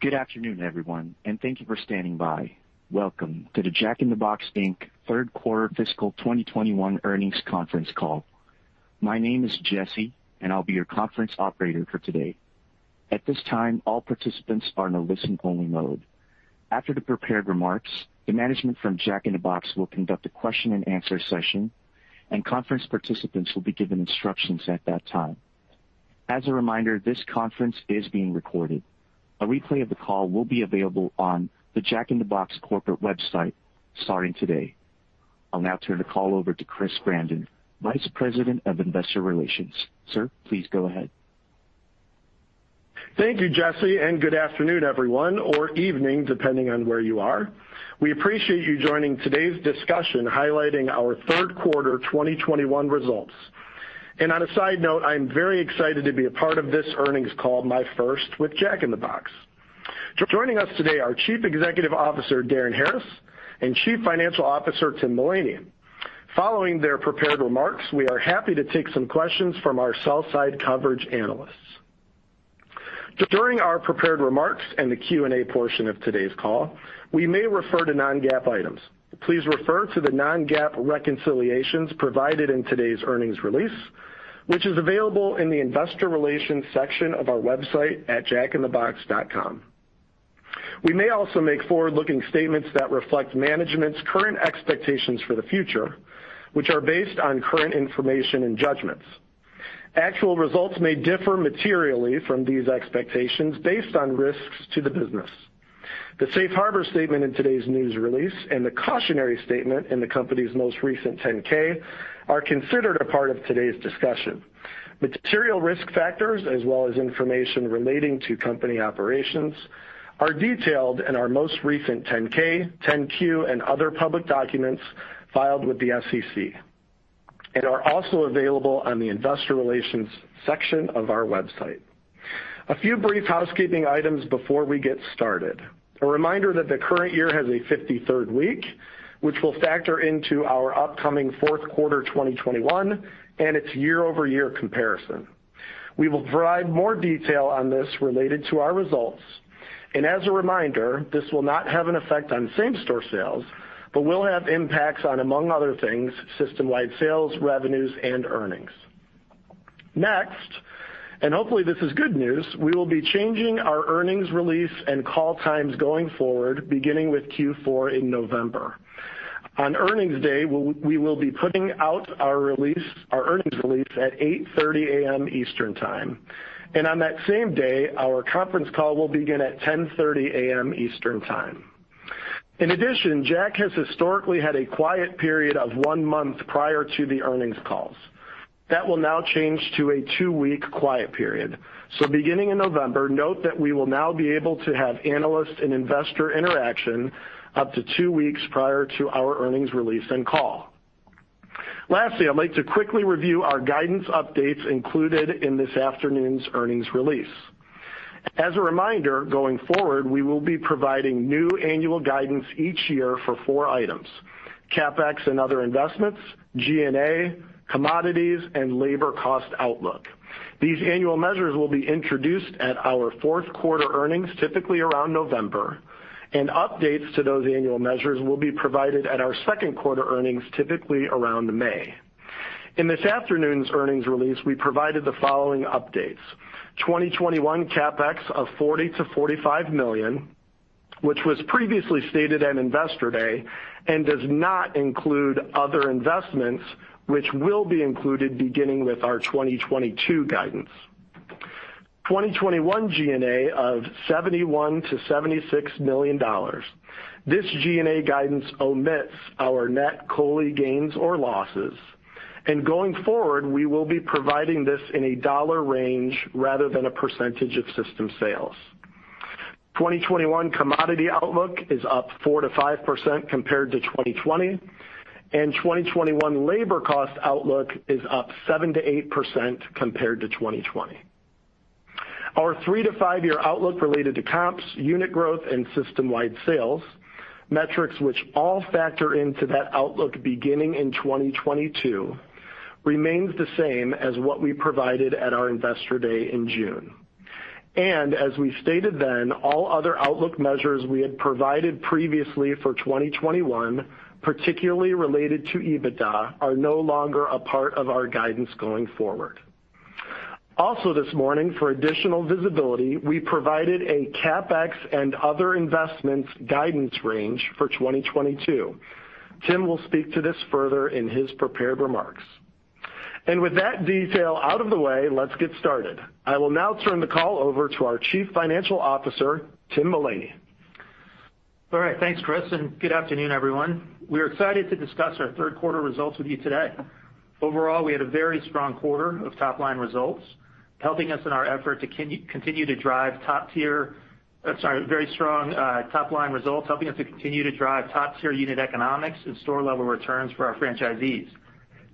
Good afternoon, everyone, and thank you for standing by. Welcome to the Jack in the Box Inc. third quarter fiscal 2021 earnings conference call. My name is Jesse, and I'll be your conference operator for today. At this time, all participants are in a listen-only mode. After the prepared remarks, the management from Jack in the Box will conduct a question and answer session, and conference participants will be given instructions at that time. As a reminder, this conference is being recorded. A replay of the call will be available on the Jack in the Box corporate website starting today. I'll now turn the call over to Chris Brandon, Vice President of Investor Relations. Sir, please go ahead. Thank you, Jesse. Good afternoon, everyone, or evening, depending on where you are. We appreciate you joining today's discussion highlighting our third quarter 2021 results. On a side note, I am very excited to be a part of this earnings call, my first with Jack in the Box. Joining us today are Chief Executive Officer, Darin Harris, and Chief Financial Officer, Tim Mullany. Following their prepared remarks, we are happy to take some questions from our sell side coverage analysts. During our prepared remarks and the Q&A portion of today's call, we may refer to non-GAAP items. Please refer to the non-GAAP reconciliations provided in today's earnings release, which is available in the investor relations section of our website at jackinthebox.com. We may also make forward-looking statements that reflect management's current expectations for the future, which are based on current information and judgments. Actual results may differ materially from these expectations based on risks to the business. The safe harbor statement in today's news release and the cautionary statement in the company's most recent 10-K are considered a part of today's discussion. Material risk factors, as well as information relating to company operations, are detailed in our most recent 10-K, 10-Q, and other public documents filed with the SEC and are also available on the investor relations section of our website. A few brief housekeeping items before we get started. A reminder that the current year has a 53rd week, which will factor into our upcoming fourth quarter 2021 and its year-over-year comparison. We will provide more detail on this related to our results, and as a reminder, this will not have an effect on same-store sales, but will have impacts on, among other things, system-wide sales, revenues, and earnings. Next, hopefully this is good news, we will be changing our earnings release and call times going forward, beginning with Q4 in November. On earnings day, we will be putting out our earnings release at 8:30 AM Eastern Time. On that same day, our conference call will begin at 10:30 AM Eastern Time. In addition, Jack has historically had a quiet period of one month prior to the earnings calls. That will now change to a two-week quiet period. Beginning in November, note that we will now be able to have analyst and investor interaction up to two weeks prior to our earnings release and call. Lastly, I'd like to quickly review our guidance updates included in this afternoon's earnings release. As a reminder, going forward, we will be providing new annual guidance each year for four items, CapEx and other investments, G&A, commodities, and labor cost outlook. These annual measures will be introduced at our fourth quarter earnings, typically around November, and updates to those annual measures will be provided at our second quarter earnings, typically around May. In this afternoon's earnings release, we provided the following updates. 2021 CapEx of $40 million-$45 million, which was previously stated at Investor Day and does not include other investments which will be included beginning with our 2022 guidance. 2021 G&A of $71 million-$76 million. This G&A guidance omits our net COLI gains or losses, going forward, we will be providing this in a dollar range rather than a percentage of system sales. 2021 commodity outlook is up 4%-5% compared to 2020, and 2021 labor cost outlook is up 7%-8% compared to 2020. Our three to five-year outlook related to comps, unit growth, and system-wide sales, metrics which all factor into that outlook beginning in 2022, remains the same as what we provided at our Investor Day in June. As we stated then, all other outlook measures we had provided previously for 2021, particularly related to EBITDA, are no longer a part of our guidance going forward. Also this morning, for additional visibility, we provided a CapEx and other investments guidance range for 2022. Tim will speak to this further in his prepared remarks. With that detail out of the way, let's get started. I will now turn the call over to our Chief Financial Officer, Tim Mullany. All right. Thanks, Chris. Good afternoon, everyone. We're excited to discuss our third quarter results with you today. Overall, we had a very strong quarter of top-line results, helping us to continue to drive top-tier unit economics and store-level returns for our franchisees,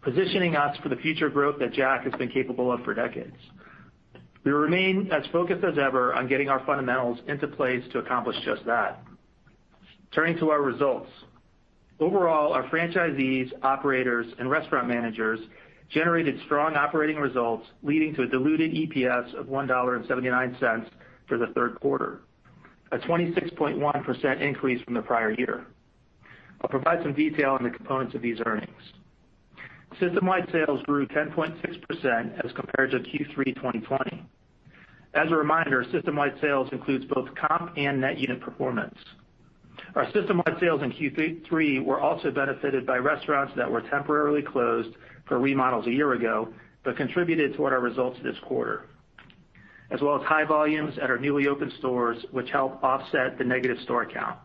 positioning us for the future growth that Jack has been capable of for decades. We remain as focused as ever on getting our fundamentals into place to accomplish just that. Turning to our results. Overall, our franchisees, operators, and restaurant managers generated strong operating results, leading to a diluted EPS of $1.79 for the third quarter, a 26.1% increase from the prior year. I'll provide some detail on the components of these earnings. System-wide sales grew 10.6% as compared to Q3 2020. As a reminder, system-wide sales includes both comp and net unit performance. Our system-wide sales in Q3 were also benefited by restaurants that were temporarily closed for remodels a year ago, but contributed toward our results this quarter, as well as high volumes at our newly opened stores, which helped offset the negative store count.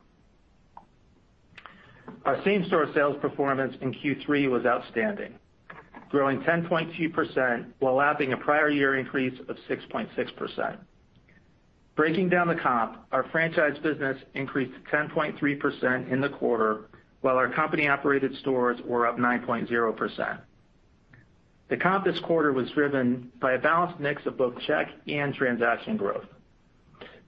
Our same-store sales performance in Q3 was outstanding, growing 10.2% while lapping a prior year increase of 6.6%. Breaking down the comp, our franchise business increased 10.3% in the quarter, while our company-operated stores were up 9.0%. The comp this quarter was driven by a balanced mix of both check and transaction growth.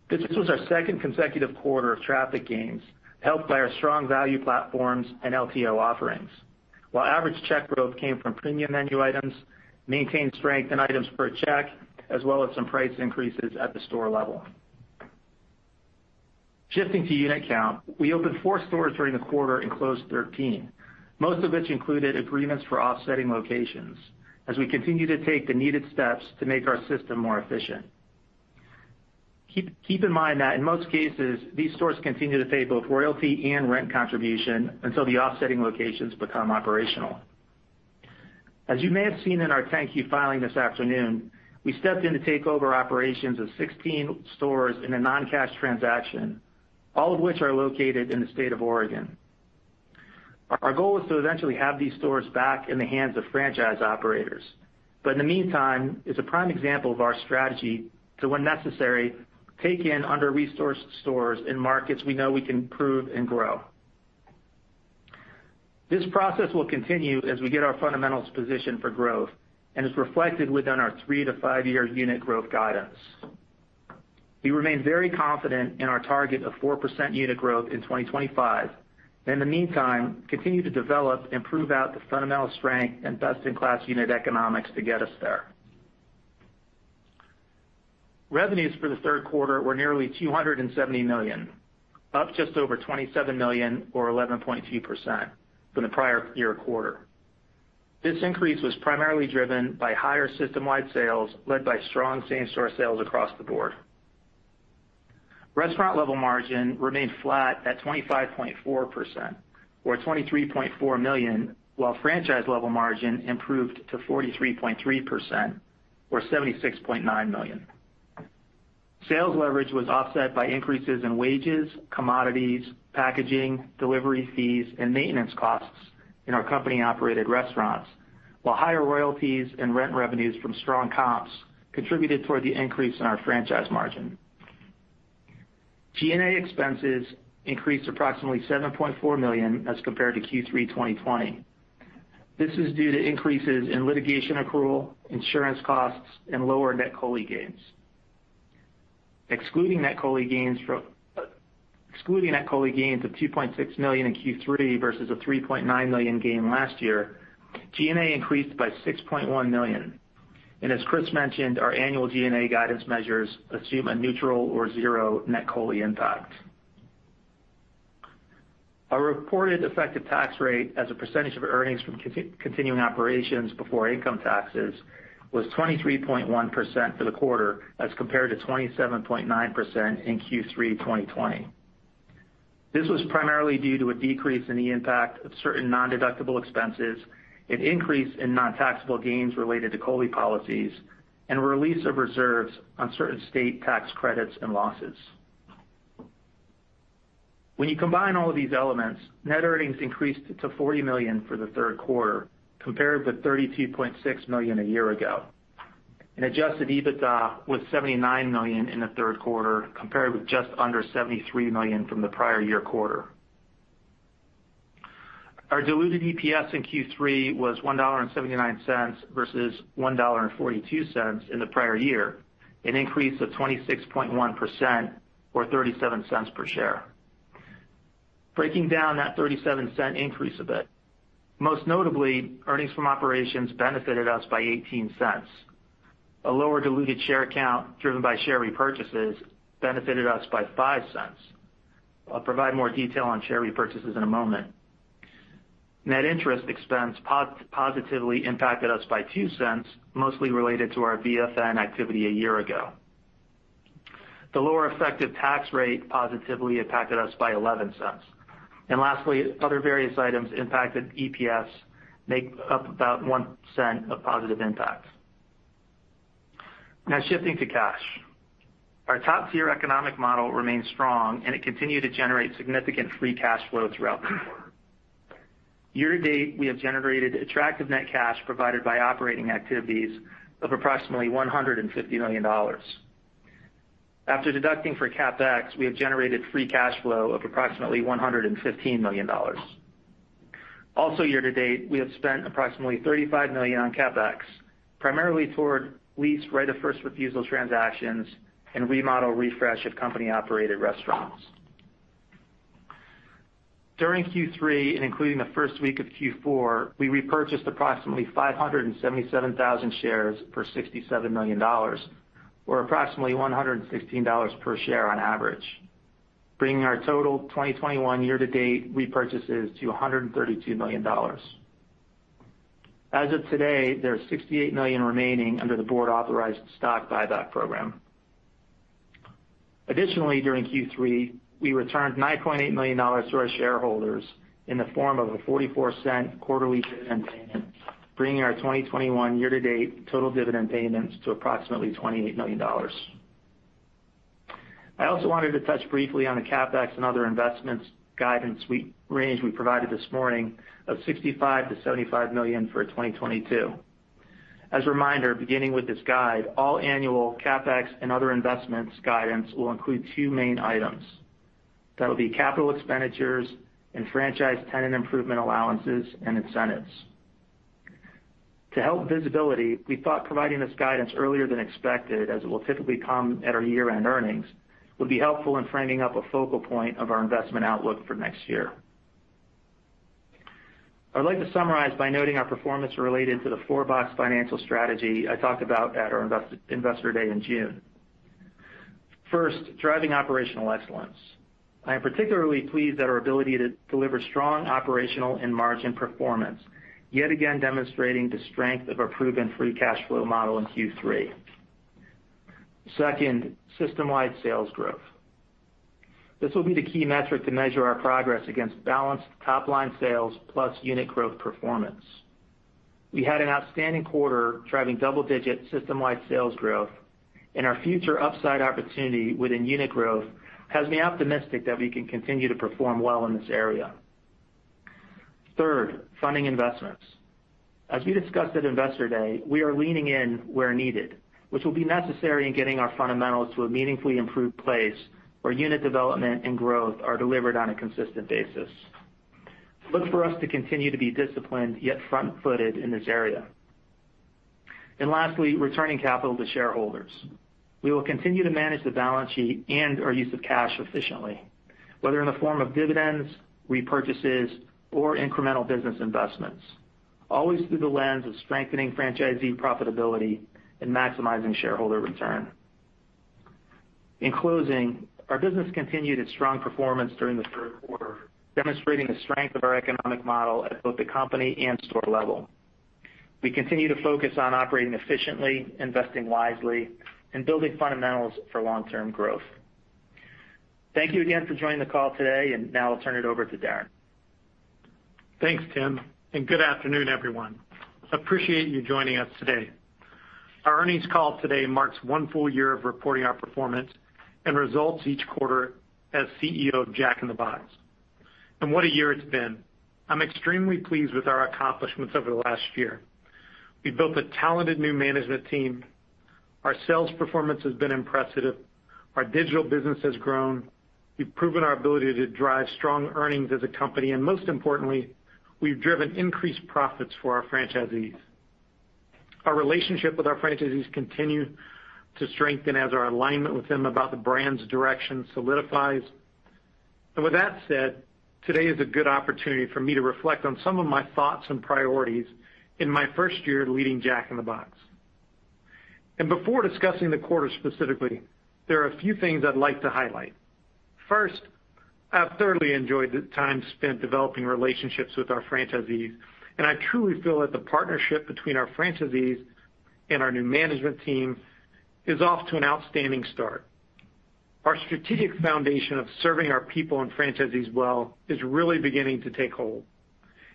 This was our second consecutive quarter of traffic gains, helped by our strong value platforms and LTO offerings. While average check growth came from premium menu items, maintained strength in items per check, as well as some price increases at the store level. Shifting to unit count, we opened four stores during the quarter and closed 13, most of which included agreements for offsetting locations as we continue to take the needed steps to make our system more efficient. Keep in mind that in most cases, these stores continue to pay both royalty and rent contribution until the offsetting locations become operational. As you may have seen in our 10-Q filing this afternoon, we stepped in to take over operations of 16 stores in a non-cash transaction, all of which are located in the state of Oregon. Our goal is to eventually have these stores back in the hands of franchise operators, but in the meantime, it's a prime example of our strategy to, when necessary, take in under-resourced stores in markets we know we can improve and grow. This process will continue as we get our fundamentals positioned for growth and is reflected within our three to five-year unit growth guidance. We remain very confident in our target of 4% unit growth in 2025, and in the meantime, continue to develop and prove out the fundamental strength and best-in-class unit economics to get us there. Revenues for the third quarter were nearly $270 million, up just over $27 million or 11.2% from the prior year quarter. This increase was primarily driven by higher system-wide sales, led by strong same-store sales across the board. Restaurant level margin remained flat at 25.4%, or $23.4 million, while franchise level margin improved to 43.3%, or $76.9 million. Sales leverage was offset by increases in wages, commodities, packaging, delivery fees, and maintenance costs in our company-operated restaurants. While higher royalties and rent revenues from strong comps contributed toward the increase in our franchise margin. G&A expenses increased approximately $7.4 million as compared to Q3 2020. This is due to increases in litigation accrual, insurance costs, and lower net COLI gains. Excluding net COLI gains of $2.6 million in Q3 versus a $3.9 million gain last year, G&A increased by $6.1 million. As Chris mentioned, our annual G&A guidance measures assume a neutral or zero net COLI impact. Our reported effective tax rate as a percentage of earnings from continuing operations before income taxes was 23.1% for the quarter as compared to 27.9% in Q3 2020. This was primarily due to a decrease in the impact of certain non-deductible expenses, an increase in non-taxable gains related to COLI policies, and a release of reserves on certain state tax credits and losses. When you combine all of these elements, net earnings increased to $40 million for the third quarter, compared with $32.6 million a year ago. Adjusted EBITDA was $79 million in the third quarter, compared with just under $73 million from the prior year quarter. Our diluted EPS in Q3 was $1.79 versus $1.42 in the prior year, an increase of 26.1%, or $0.37 per share. Breaking down that $0.37 increase a bit, most notably, earnings from operations benefited us by $0.18. A lower diluted share count driven by share repurchases benefited us by $0.05. I'll provide more detail on share repurchases in a moment. Net interest expense positively impacted us by $0.02, mostly related to our VFN activity a year ago. The lower effective tax rate positively impacted us by $0.11. Lastly, other various items impacted EPS make up about $0.01 of positive impact. Now shifting to cash. Our top-tier economic model remains strong. It continued to generate significant free cash flow throughout the quarter. Year to date, we have generated attractive net cash provided by operating activities of approximately $150 million. After deducting for CapEx, we have generated free cash flow of approximately $115 million. Year to date, we have spent approximately $35 million on CapEx, primarily toward lease right of first refusal transactions and remodel refresh of company-operated restaurants. During Q3 and including the first week of Q4, we repurchased approximately 577,000 shares for $67 million, or approximately $116 per share on average, bringing our total 2021 year-to-date repurchases to $132 million. As of today, there's $68 million remaining under the board authorized stock buyback program. During Q3, we returned $9.8 million to our shareholders in the form of a $0.44 quarterly dividend payment, bringing our 2021 year-to-date total dividend payments to approximately $28 million. I also wanted to touch briefly on the CapEx and other investments guidance range we provided this morning of $65 million-$75 million for 2022. As a reminder, beginning with this guide, all annual CapEx and other investments guidance will include two main items. That will be capital expenditures and franchise tenant improvement allowances and incentives. To help visibility, we thought providing this guidance earlier than expected, as it will typically come at our year-end earnings, would be helpful in framing up a focal point of our investment outlook for next year. I would like to summarize by noting our performance related to the four-box financial strategy I talked about at our Investor Day in June. Driving operational excellence. I am particularly pleased at our ability to deliver strong operational and margin performance, yet again demonstrating the strength of our proven free cash flow model in Q3. System-wide sales growth. This will be the key metric to measure our progress against balanced top-line sales plus unit growth performance. We had an outstanding quarter driving double-digit system-wide sales growth, and our future upside opportunity within unit growth has me optimistic that we can continue to perform well in this area. Third, funding investments. As we discussed at Investor Day, we are leaning in where needed, which will be necessary in getting our fundamentals to a meaningfully improved place where unit development and growth are delivered on a consistent basis. Look for us to continue to be disciplined, yet front-footed in this area. Lastly, returning capital to shareholders. We will continue to manage the balance sheet and our use of cash efficiently, whether in the form of dividends, repurchases, or incremental business investments, always through the lens of strengthening franchisee profitability and maximizing shareholder return. In closing, our business continued its strong performance during the third quarter, demonstrating the strength of our economic model at both the company and store level. We continue to focus on operating efficiently, investing wisely, and building fundamentals for long-term growth. Thank you again for joining the call today, now I'll turn it over to Darin. Thanks, Tim, and good afternoon, everyone. Appreciate you joining us today. Our earnings call today marks one full year of reporting our performance and results each quarter as CEO of Jack in the Box. What a year it's been. I'm extremely pleased with our accomplishments over the last year. We've built a talented new management team. Our sales performance has been impressive. Our digital business has grown. We've proven our ability to drive strong earnings as a company, and most importantly, we've driven increased profits for our franchisees. Our relationship with our franchisees continue to strengthen as our alignment with them about the brand's direction solidifies. With that said, today is a good opportunity for me to reflect on some of my thoughts and priorities in my first year leading Jack in the Box. Before discussing the quarter specifically, there are a few things I'd like to highlight. First, I've thoroughly enjoyed the time spent developing relationships with our franchisees, and I truly feel that the partnership between our franchisees and our new management team is off to an outstanding start. Our strategic foundation of serving our people and franchisees well is really beginning to take hold.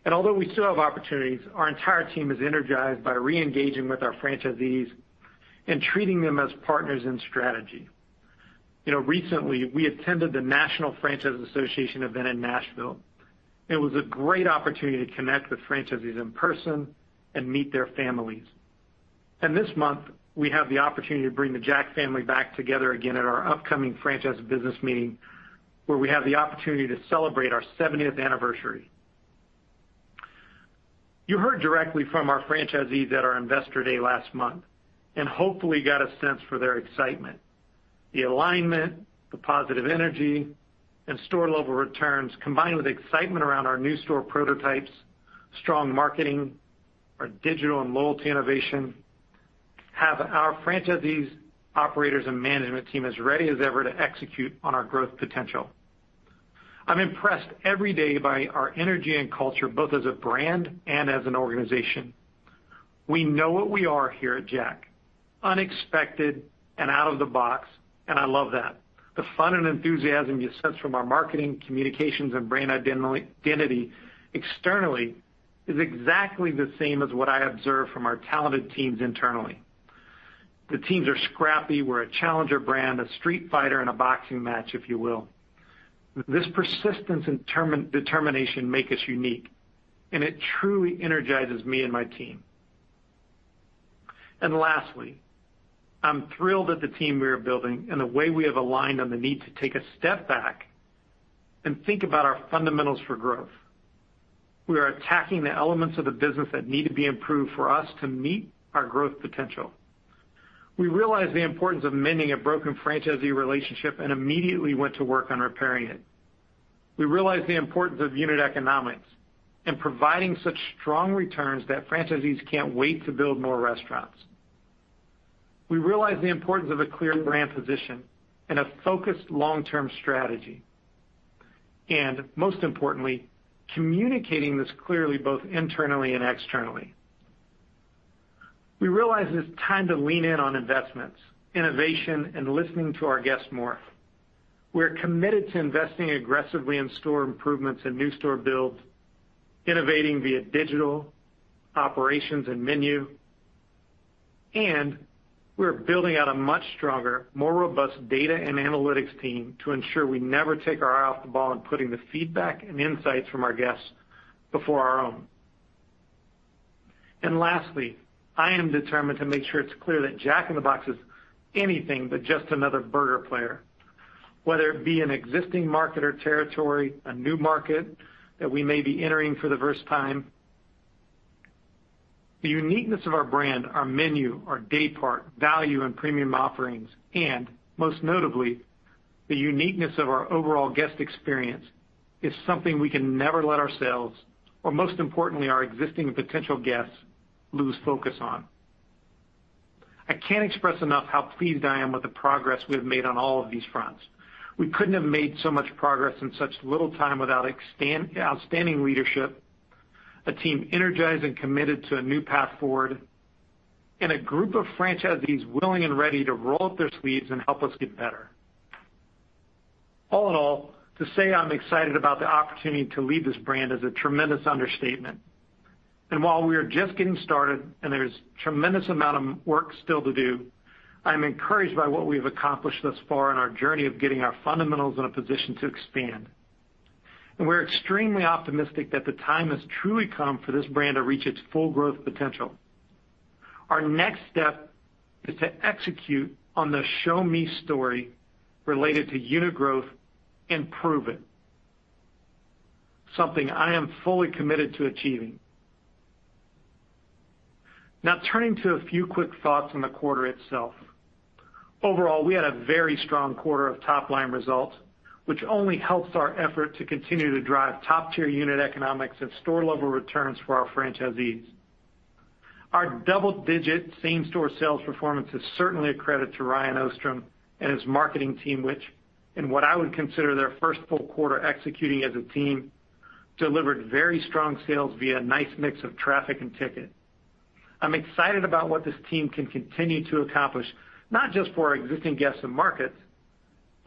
Although we still have opportunities, our entire team is energized by re-engaging with our franchisees and treating them as partners in strategy. Recently, we attended the National Jack in the Box Franchisee Association event in Nashville. It was a great opportunity to connect with franchisees in person and meet their families. This month, we have the opportunity to bring the Jack family back together again at our upcoming franchise business meeting, where we have the opportunity to celebrate our 70th anniversary. You heard directly from our franchisees at our Investor Day last month and hopefully got a sense for their excitement. The alignment, the positive energy, and store-level returns, combined with excitement around our new store prototypes, strong marketing, our digital and loyalty innovation, have our franchisees, operators, and management team as ready as ever to execute on our growth potential. I'm impressed every day by our energy and culture, both as a brand and as an organization. We know what we are here at Jack, unexpected and out of the box, and I love that. The fun and enthusiasm you sense from our marketing, communications, and brand identity externally is exactly the same as what I observe from our talented teams internally. The teams are scrappy. We're a challenger brand, a street fighter in a boxing match, if you will. This persistence and determination make us unique, and it truly energizes me and my team. Lastly, I'm thrilled at the team we are building and the way we have aligned on the need to take a step back and think about our fundamentals for growth. We are attacking the elements of the business that need to be improved for us to meet our growth potential. We realize the importance of mending a broken franchisee relationship and immediately went to work on repairing it. We realize the importance of unit economics and providing such strong returns that franchisees can't wait to build more restaurants. We realize the importance of a clear brand position and a focused long-term strategy, and most importantly, communicating this clearly both internally and externally. We realize it's time to lean in on investments, innovation, and listening to our guests more. We're committed to investing aggressively in store improvements and new store builds, innovating via digital operations and menu, and we're building out a much stronger, more robust data and analytics team to ensure we never take our eye off the ball in putting the feedback and insights from our guests before our own. Lastly, I am determined to make sure it's clear that Jack in the Box is anything but just another burger player, whether it be an existing market or territory, a new market that we may be entering for the first time. The uniqueness of our brand, our menu, our day part, value, and premium offerings, and most notably, the uniqueness of our overall guest experience is something we can never let ourselves or most importantly, our existing potential guests lose focus on. I can't express enough how pleased I am with the progress we have made on all of these fronts. We couldn't have made so much progress in such little time without outstanding leadership, a team energized and committed to a new path forward, and a group of franchisees willing and ready to roll up their sleeves and help us get better. All in all, to say I'm excited about the opportunity to lead this brand is a tremendous understatement. While we are just getting started and there's tremendous amount of work still to do, I'm encouraged by what we've accomplished thus far in our journey of getting our fundamentals in a position to expand. We're extremely optimistic that the time has truly come for this brand to reach its full growth potential. Our next step is to execute on the show me story related to unit growth and prove it, something I am fully committed to achieving. Now turning to a few quick thoughts on the quarter itself. Overall, we had a very strong quarter of top-line results, which only helps our effort to continue to drive top tier unit economics and store level returns for our franchisees. Our double-digit same store sales performance is certainly a credit to Ryan Ostrom and his marketing team, which in what I would consider their first full quarter executing as a team, delivered very strong sales via a nice mix of traffic and ticket. I'm excited about what this team can continue to accomplish, not just for our existing guests and markets,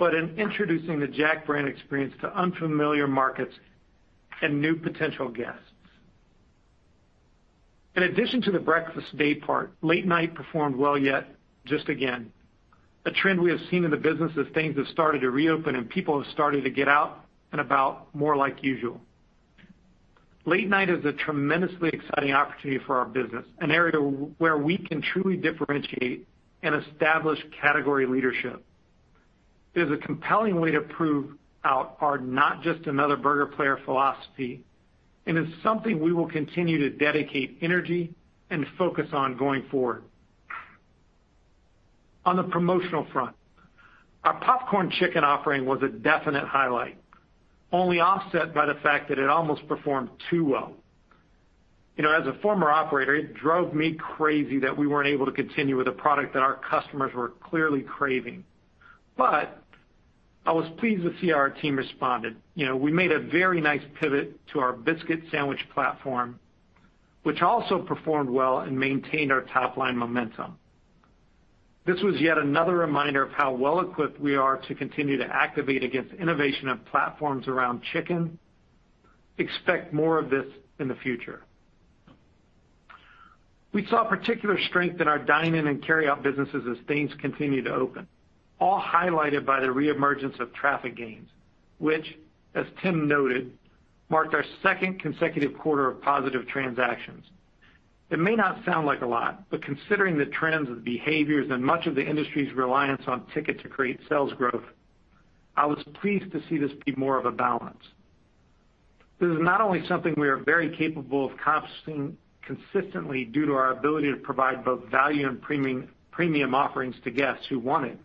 but in introducing the Jack brand experience to unfamiliar markets and new potential guests. In addition to the breakfast day part, late night performed well yet just again, a trend we have seen in the business as things have started to reopen and people have started to get out and about more like usual. Late night is a tremendously exciting opportunity for our business, an area where we can truly differentiate and establish category leadership. It is a compelling way to prove out our not just another burger player philosophy, and it's something we will continue to dedicate energy and focus on going forward. On the promotional front, our Popcorn Chicken offering was a definite highlight, only offset by the fact that it almost performed too well. As a former operator, it drove me crazy that we weren't able to continue with a product that our customers were clearly craving. I was pleased to see our team responded. We made a very nice pivot to our biscuit sandwich platform, which also performed well and maintained our top-line momentum. This was yet another reminder of how well equipped we are to continue to activate against innovation of platforms around chicken. Expect more of this in the future. We saw particular strength in our dine-in and carryout businesses as things continue to open, all highlighted by the reemergence of traffic gains, which as Tim noted, marked our second consecutive quarter of positive transactions. It may not sound like a lot, but considering the trends of behaviors and much of the industry's reliance on ticket to create sales growth, I was pleased to see this be more of a balance. This is not only something we are very capable of accomplishing consistently due to our ability to provide both value and premium offerings to guests who want it,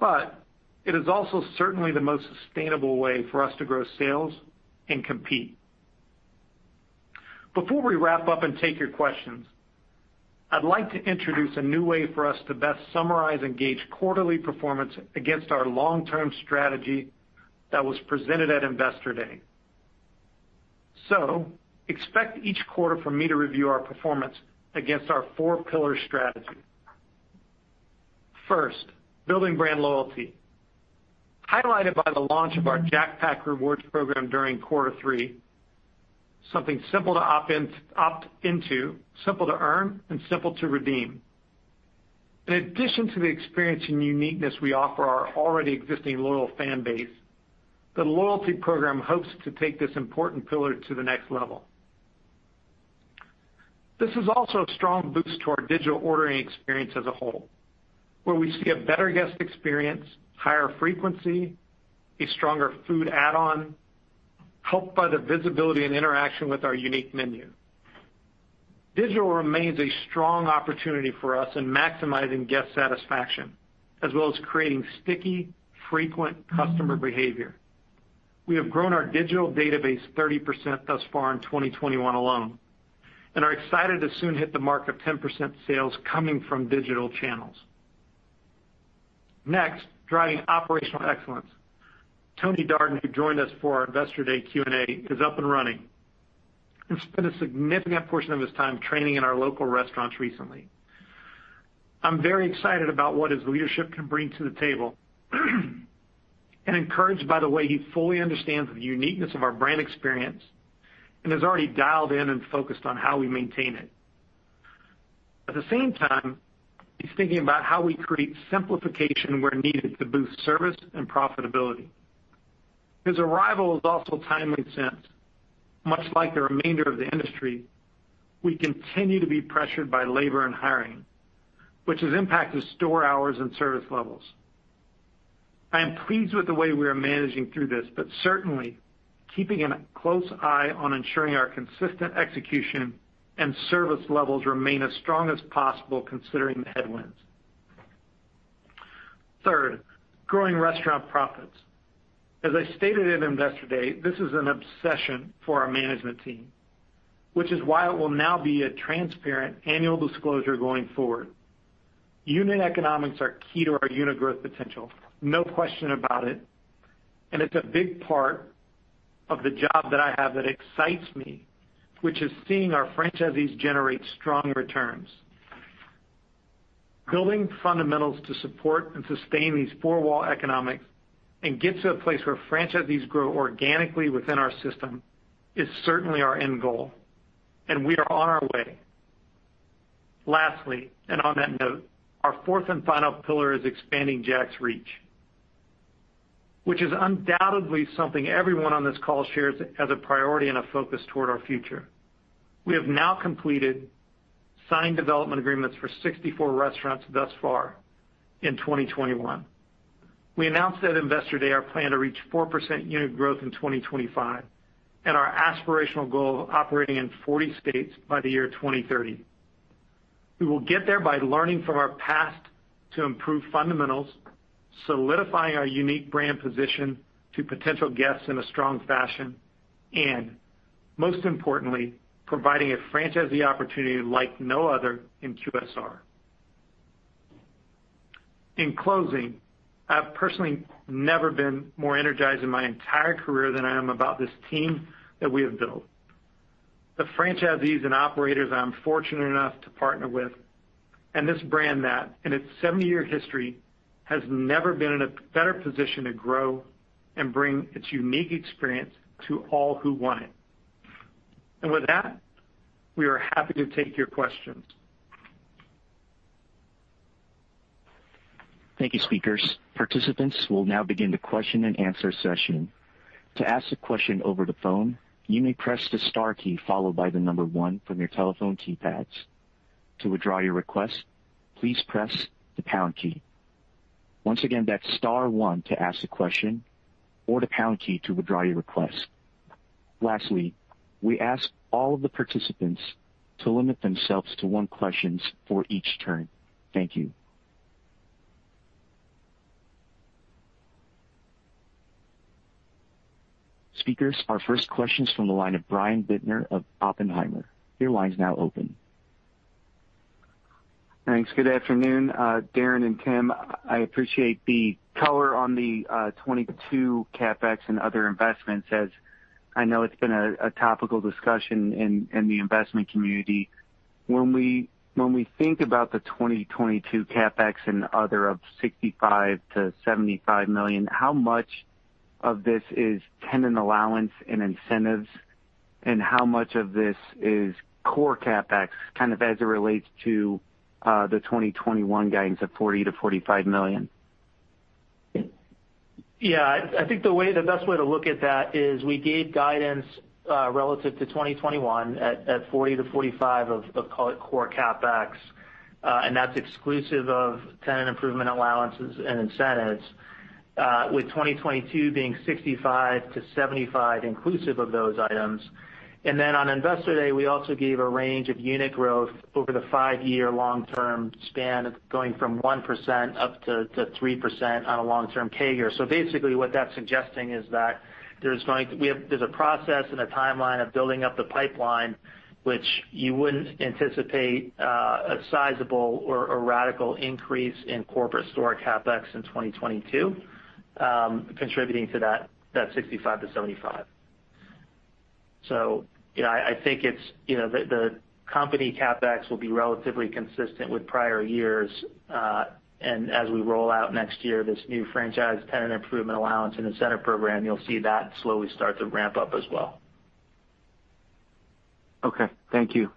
but it is also certainly the most sustainable way for us to grow sales and compete. Before we wrap up and take your questions, I'd like to introduce a new way for us to best summarize and gauge quarterly performance against our long-term strategy that was presented at Investor Day. Expect each quarter for me to review our performance against our four pillar strategy. First, building brand loyalty, highlighted by the launch of our The Jack Pack rewards program during quarter three, something simple to opt into, simple to earn, and simple to redeem. In addition to the experience and uniqueness we offer our already existing loyal fan base, the loyalty program hopes to take this important pillar to the next level. This is also a strong boost to our digital ordering experience as a whole, where we see a better guest experience, higher frequency, a stronger food add-on, helped by the visibility and interaction with our unique menu. Digital remains a strong opportunity for us in maximizing guest satisfaction, as well as creating sticky, frequent customer behavior. We have grown our digital database 30% thus far in 2021 alone, and are excited to soon hit the mark of 10% sales coming from digital channels. Next, driving operational excellence. Tony Darden, who joined us for our Investor Day Q&A, is up and running and spent a significant portion of his time training in our local restaurants recently. I'm very excited about what his leadership can bring to the table. Encouraged by the way he fully understands the uniqueness of our brand experience and has already dialed in and focused on how we maintain it. At the same time, he's thinking about how we create simplification where needed to boost service and profitability. His arrival is also timely, since much like the remainder of the industry, we continue to be pressured by labor and hiring, which has impacted store hours and service levels. I am pleased with the way we are managing through this. Certainly keeping a close eye on ensuring our consistent execution and service levels remain as strong as possible considering the headwinds. Third, growing restaurant profits. As I stated at Investor Day, this is an obsession for our management team, which is why it will now be a transparent annual disclosure going forward. Unit economics are key to our unit growth potential, no question about it, and it's a big part of the job that I have that excites me, which is seeing our franchisees generate strong returns. Building fundamentals to support and sustain these four-wall economics and get to a place where franchisees grow organically within our system is certainly our end goal, and we are on our way. Lastly, and on that note, our fourth and final pillar is expanding Jack's reach, which is undoubtedly something everyone on this call shares as a priority and a focus toward our future. We have now completed signed development agreements for 64 restaurants thus far in 2021. We announced at Investor Day our plan to reach 4% unit growth in 2025 and our aspirational goal of operating in 40 states by the year 2030. We will get there by learning from our past to improve fundamentals, solidifying our unique brand position to potential guests in a strong fashion, and most importantly, providing a franchisee opportunity like no other in QSR. In closing, I've personally never been more energized in my entire career than I am about this team that we have built, the franchisees and operators I'm fortunate enough to partner with, and this brand that, in its 70-year history, has never been in a better position to grow and bring its unique experience to all who want it. With that, we are happy to take your questions. Thank you, speakers. Participants, we'll now begin the question and answer session. To ask a question over the phone, you may press the star key followed by the number one from your telephone keypads. To withdraw your request, please press the pound key. Once again, that's star one to ask a question or the pound key to withdraw your request. Lastly, we ask all of the participants to limit themselves to one question for each turn. Thank you. Speakers, our first question is from the line of Brian Bittner of Oppenheimer. Your line is now open. Thanks. Good afternoon, Darin and Tim. I appreciate the color on the 2022 CapEx and other investments, as I know it's been a topical discussion in the investment community. When we think about the 2022 CapEx and other of $65 million-$75 million, how much of this is tenant allowance and incentives, and how much of this is core CapEx, kind of as it relates to the 2021 guidance of $40 million-$45 million? I think the best way to look at that is we gave guidance relative to 2021 at $40 million-$45 million of core CapEx, and that's exclusive of tenant improvement allowances and incentives, with 2022 being $65 million-$75 million inclusive of those items. On Investor Day, we also gave a range of unit growth over the five-year long-term span going from 1% up to 3% on a long-term CAGR. What that's suggesting is that there's a process and a timeline of building up the pipeline, which you wouldn't anticipate a sizable or a radical increase in corporate store CapEx in 2022 contributing to that $65 million-$75 million. I think the company CapEx will be relatively consistent with prior years. As we roll out next year this new franchise tenant improvement allowance and incentive program, you'll see that slowly start to ramp up as well. Okay. Thank you.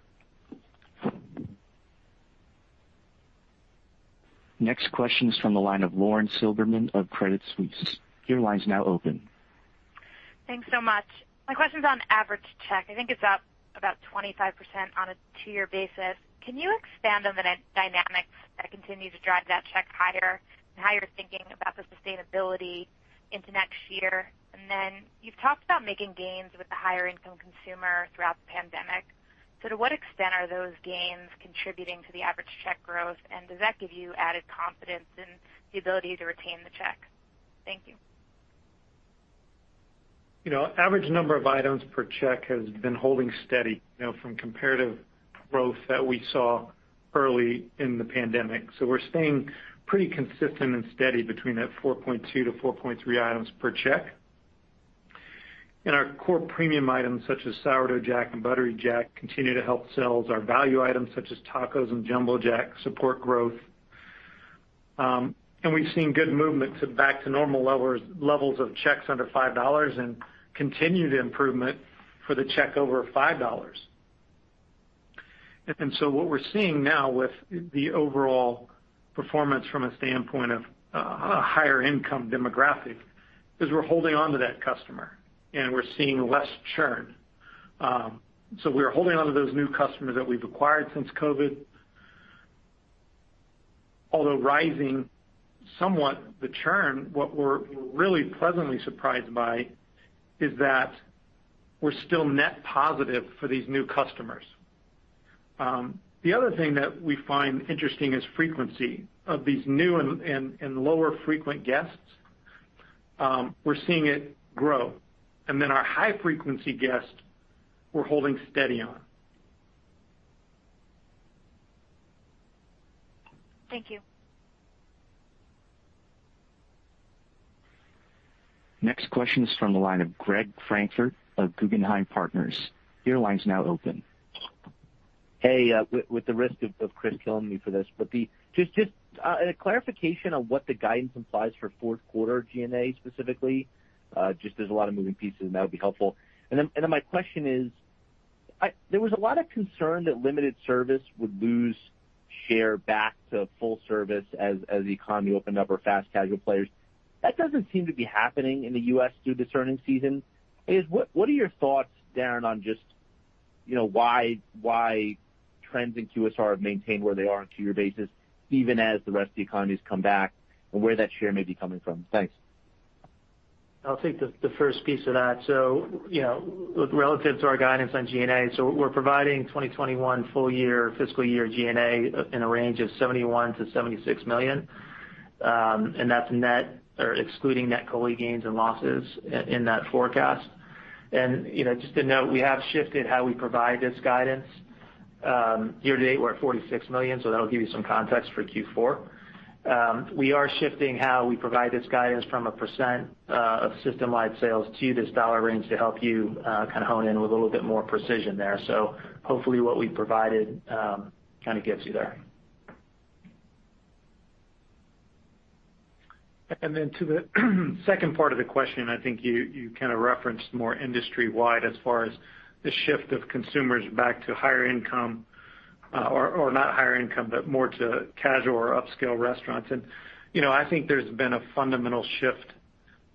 Next question is from the line of Lauren Silberman of Credit Suisse. Your line's now open. Thanks so much. My question's on average check. I think it's up about 25% on a two-year basis. Can you expand on the dynamics that continue to drive that check higher and how you're thinking about the sustainability into next year? You've talked about making gains with the higher income consumer throughout the pandemic. To what extent are those gains contributing to the average check growth, and does that give you added confidence in the ability to retain the check? Thank you. Average number of items per check has been holding steady from comparative growth that we saw early in the pandemic. We're staying pretty consistent and steady between that 4.2-4.3 items per check. Our core premium items such as Sourdough Jack and Buttery Jack continue to help sales. Our value items such as tacos and Jumbo Jack support growth. We've seen good movement to back to normal levels of checks under $5 and continued improvement for the check over $5. What we're seeing now with the overall performance from a standpoint of a higher income demographic, is we're holding onto that customer and we're seeing less churn. We are holding onto those new customers that we've acquired since COVID. Although rising somewhat the churn, what we're really pleasantly surprised by is that we're still net positive for these new customers. The other thing that we find interesting is frequency of these new and lower frequent guests. We're seeing it grow. Our high frequency guests, we're holding steady on. Thank you. Next question is from the line of Greg Francfort of Guggenheim Partners. Your line's now open. Hey, with the risk of Chris killing me for this, but just a clarification on what the guidance implies for fourth quarter G&A specifically. Just there's a lot of moving pieces, and that would be helpful. My question is, there was a lot of concern that limited service would lose share back to full service as the economy opened up or fast casual players. That doesn't seem to be happening in the U.S. through this earning season. What are your thoughts, Darin, on just why trends in QSR have maintained where they are on a two-year basis, even as the rest of the economy's come back, and where that share may be coming from? Thanks. I'll take the first piece of that. Relative to our guidance on G&A, we're providing 2021 full year fiscal year G&A in a range of $71 million-$76 million. That's net or excluding net COLI gains and losses in that forecast. Just to note, we have shifted how we provide this guidance. Year to date, we're at $46 million, that'll give you some context for Q4. We are shifting how we provide this guidance from a percent of system-wide sales to this dollar range to help you kind of hone in with a little bit more precision there. Hopefully what we provided kind of gets you there. Then to the second part of the question, I think you kind of referenced more industry wide as far as the shift of consumers back to higher income, or not higher income, but more to casual or upscale restaurants. I think there's been a fundamental shift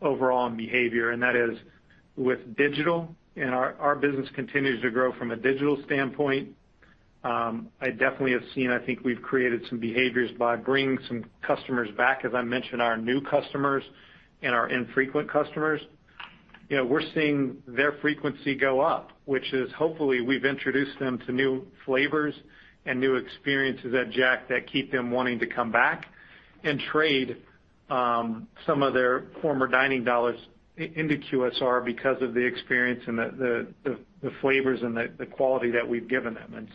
overall in behavior, and that is with digital, and our business continues to grow from a digital standpoint. I definitely have seen, I think we've created some behaviors by bringing some customers back. As I mentioned, our new customers and our infrequent customers, we're seeing their frequency go up, which is hopefully we've introduced them to new flavors and new experiences at Jack that keep them wanting to come back and trade some of their former dining dollars into QSR because of the experience and the flavors and the quality that we've given them.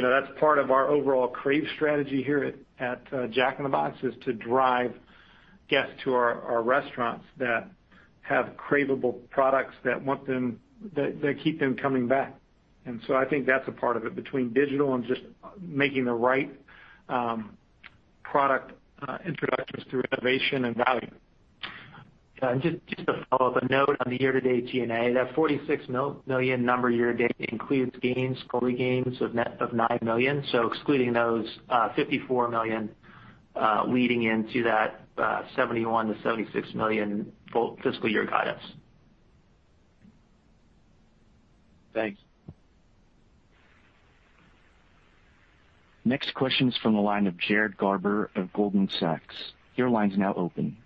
That's part of our overall crave strategy here at Jack in the Box, is to drive guests to our restaurants that have craveable products that keep them coming back. I think that's a part of it, between digital and just making the right product introductions through innovation and value. Yeah, just to follow up, a note on the year-to-date G&A, that $46 million number year-to-date includes gains, COLI gains of $9 million. Excluding those, $54 million leading into that $71 million-$76 million full fiscal year guidance. Thanks. Next question is from the line of Jared Garber of Goldman Sachs. Your line's now open.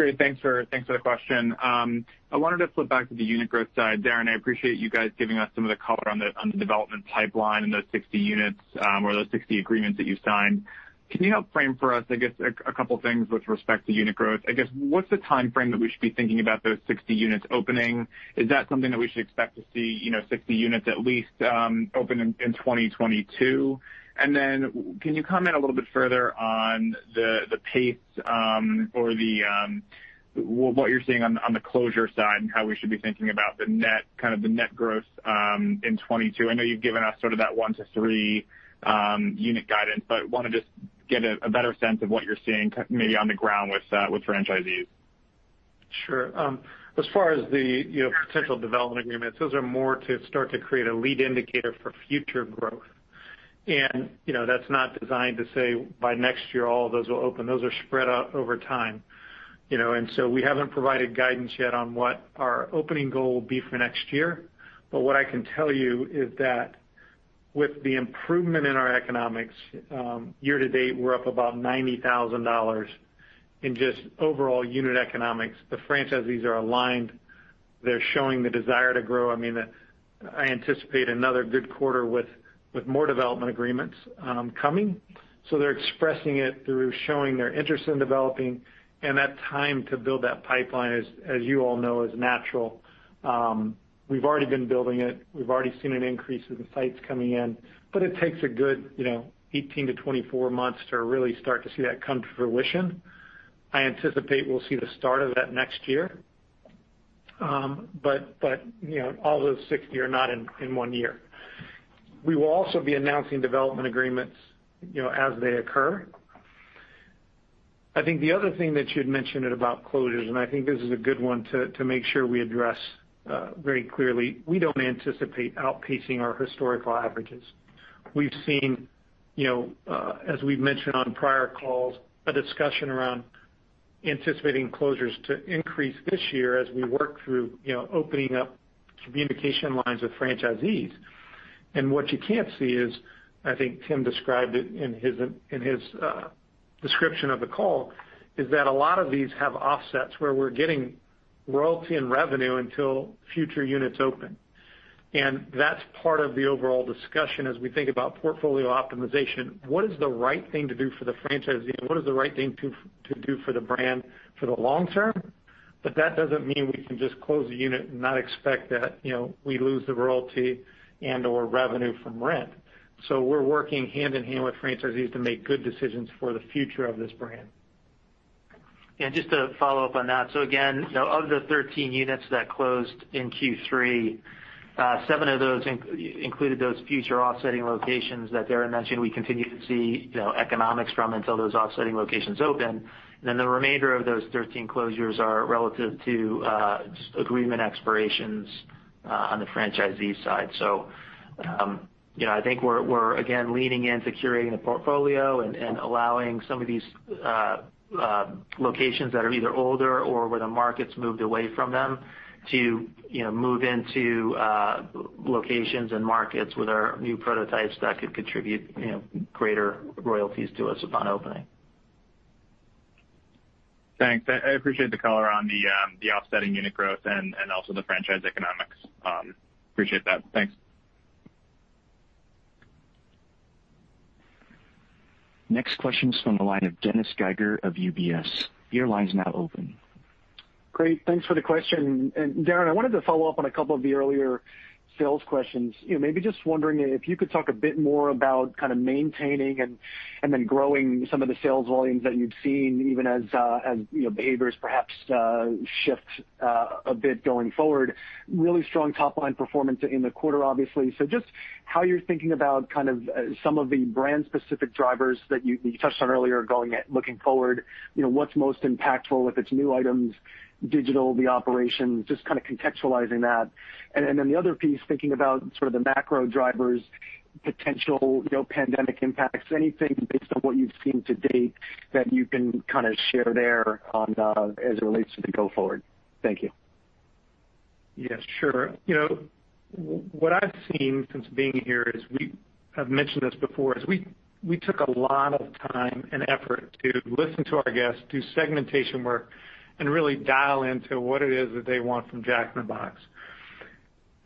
Great. Thanks for the question. I wanted to flip back to the unit growth side, Darin Harris. I appreciate you guys giving us some of the color on the development pipeline and those 60 units, or those 60 agreements that you signed. Can you help frame for us, I guess, a couple things with respect to unit growth? I guess, what's the timeframe that we should be thinking about those 60 units opening? Is that something that we should expect to see, 60 units at least, open in 2022? Can you comment a little bit further on the pace, or what you're seeing on the closure side and how we should be thinking about the net growth in 2022? I know you've given us sort of that 1-3 unit guidance, but want to just get a better sense of what you're seeing maybe on the ground with franchisees. Sure. As far as the potential development agreements, those are more to start to create a lead indicator for future growth. That's not designed to say by next year all of those will open. Those are spread out over time. We haven't provided guidance yet on what our opening goal will be for next year. What I can tell you is that with the improvement in our economics, year to date, we're up about $90,000 in just overall unit economics. The franchisees are aligned. They're showing the desire to grow. I anticipate another good quarter with more development agreements coming. They're expressing it through showing their interest in developing, and that time to build that pipeline, as you all know, is natural. We've already been building it. We've already seen an increase in the sites coming in, but it takes a good 18-24 months to really start to see that come to fruition. I anticipate we'll see the start of that next year. All those 60 are not in one year. We will also be announcing development agreements as they occur. I think the other thing that you'd mentioned about closures, and I think this is a good one to make sure we address very clearly, we don't anticipate outpacing our historical averages. We've seen, as we've mentioned on prior calls, a discussion around anticipating closures to increase this year as we work through opening up communication lines with franchisees. What you can't see is, I think Tim described it in his description of the call, is that a lot of these have offsets where we're getting royalty and revenue until future units open. That's part of the overall discussion as we think about portfolio optimization. What is the right thing to do for the franchisee, and what is the right thing to do for the brand for the long term? That doesn't mean we can just close a unit and not expect that we lose the royalty and/or revenue from rent. We're working hand in hand with franchisees to make good decisions for the future of this brand. Just to follow up on that. Again, of the 13 units that closed in Q3, seven of those included those future offsetting locations that Darin mentioned we continue to see economics from until those offsetting locations open. The remainder of those 13 closures are relative to agreement expirations on the franchisee side. I think we're, again, leaning in to curating the portfolio and allowing some of these locations that are either older or where the market's moved away from them to move into locations and markets with our new prototypes that could contribute greater royalties to us upon opening. Thanks. I appreciate the color on the offsetting unit growth and also the franchise economics. Appreciate that. Thanks. Next question is from the line of Dennis Geiger of UBS. Your line is now open. Great. Thanks for the question. Darin, I wanted to follow up on a couple of the earlier sales questions. Maybe just wondering if you could talk a bit more about maintaining and then growing some of the sales volumes that you've seen, even as behaviors perhaps shift a bit going forward. Really strong top-line performance in the quarter, obviously. Just how you're thinking about some of the brand specific drivers that you touched on earlier going at looking forward, what's most impactful if it's new items, digital, the operations, just contextualizing that. The other piece, thinking about the macro drivers potential pandemic impacts, anything based on what you've seen to date that you can share there as it relates to the go forward. Thank you. Sure. What I've seen since being here is, we have mentioned this before, is we took a lot of time and effort to listen to our guests, do segmentation work, and really dial into what it is that they want from Jack in the Box.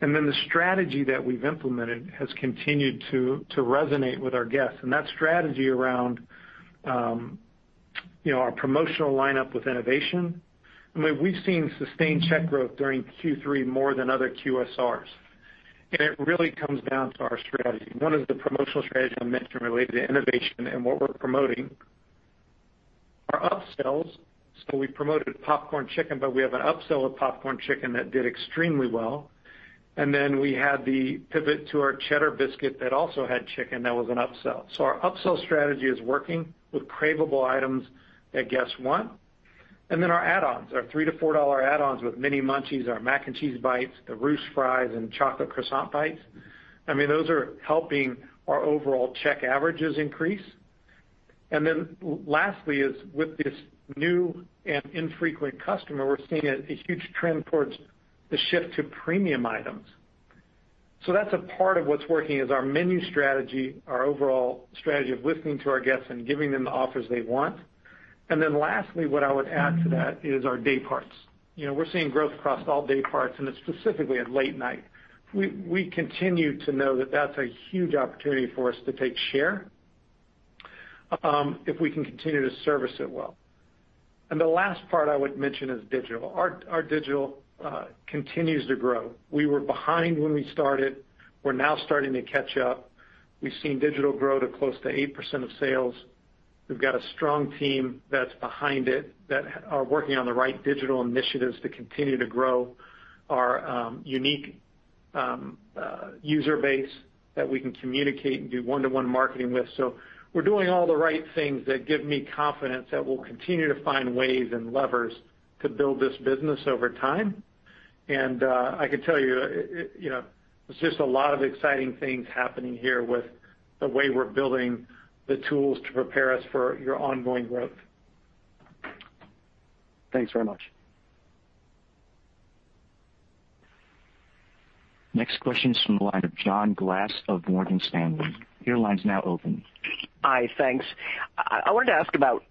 The strategy that we've implemented has continued to resonate with our guests, and that strategy around our promotional lineup with innovation. We've seen sustained check growth during Q3 more than other QSRs, and it really comes down to our strategy. One is the promotional strategy I mentioned related to innovation and what we're promoting. Our upsells. We promoted Popcorn Chicken, but we have an upsell of Popcorn Chicken that did extremely well. We had the pivot to our Cheddar Biscuit that also had chicken that was an upsell. Our upsell strategy is working with craveable items that guests want. Our add-ons, our $3 to $4 add-ons with Mini Munchies, our Mac & Cheese Bites, the Loaded Fries, and Chocolate Croissant Bites. Those are helping our overall check averages increase. Lastly is with this new and infrequent customer, we're seeing a huge trend towards the shift to premium items. That's a part of what's working is our menu strategy, our overall strategy of listening to our guests and giving them the offers they want. Lastly, what I would add to that is our day parts. We're seeing growth across all day parts, and it's specifically at late night. We continue to know that that's a huge opportunity for us to take share if we can continue to service it well. The last part I would mention is digital. Our digital continues to grow. We were behind when we started. We're now starting to catch up. We've seen digital grow to close to 8% of sales. We've got a strong team that's behind it that are working on the right digital initiatives to continue to grow our unique user base that we can communicate and do one-to-one marketing with. We're doing all the right things that give me confidence that we'll continue to find ways and levers to build this business over time. I can tell you, it's just a lot of exciting things happening here with the way we're building the tools to prepare us for your ongoing growth. Thanks very much. Next question is from the line of John Glass of Morgan Stanley. Your line is now open. Hi, thanks. I wanted to ask about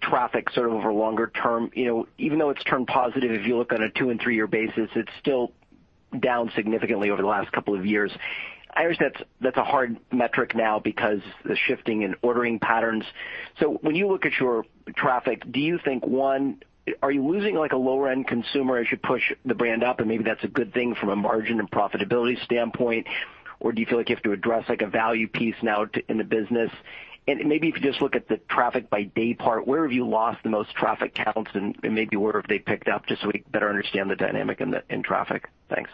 traffic sort of over longer term. Even though it has turned positive, if you look on a two and three-year basis, it is still down significantly over the last couple of years. I realize that is a hard metric now because the shifting in ordering patterns. When you look at your traffic, do you think, one, are you losing a lower end consumer as you push the brand up? Maybe that is a good thing from a margin and profitability standpoint, or do you feel like you have to address a value piece now in the business? Maybe if you just look at the traffic by day part, where have you lost the most traffic counts and maybe where have they picked up, just so we can better understand the dynamic in traffic. Thanks.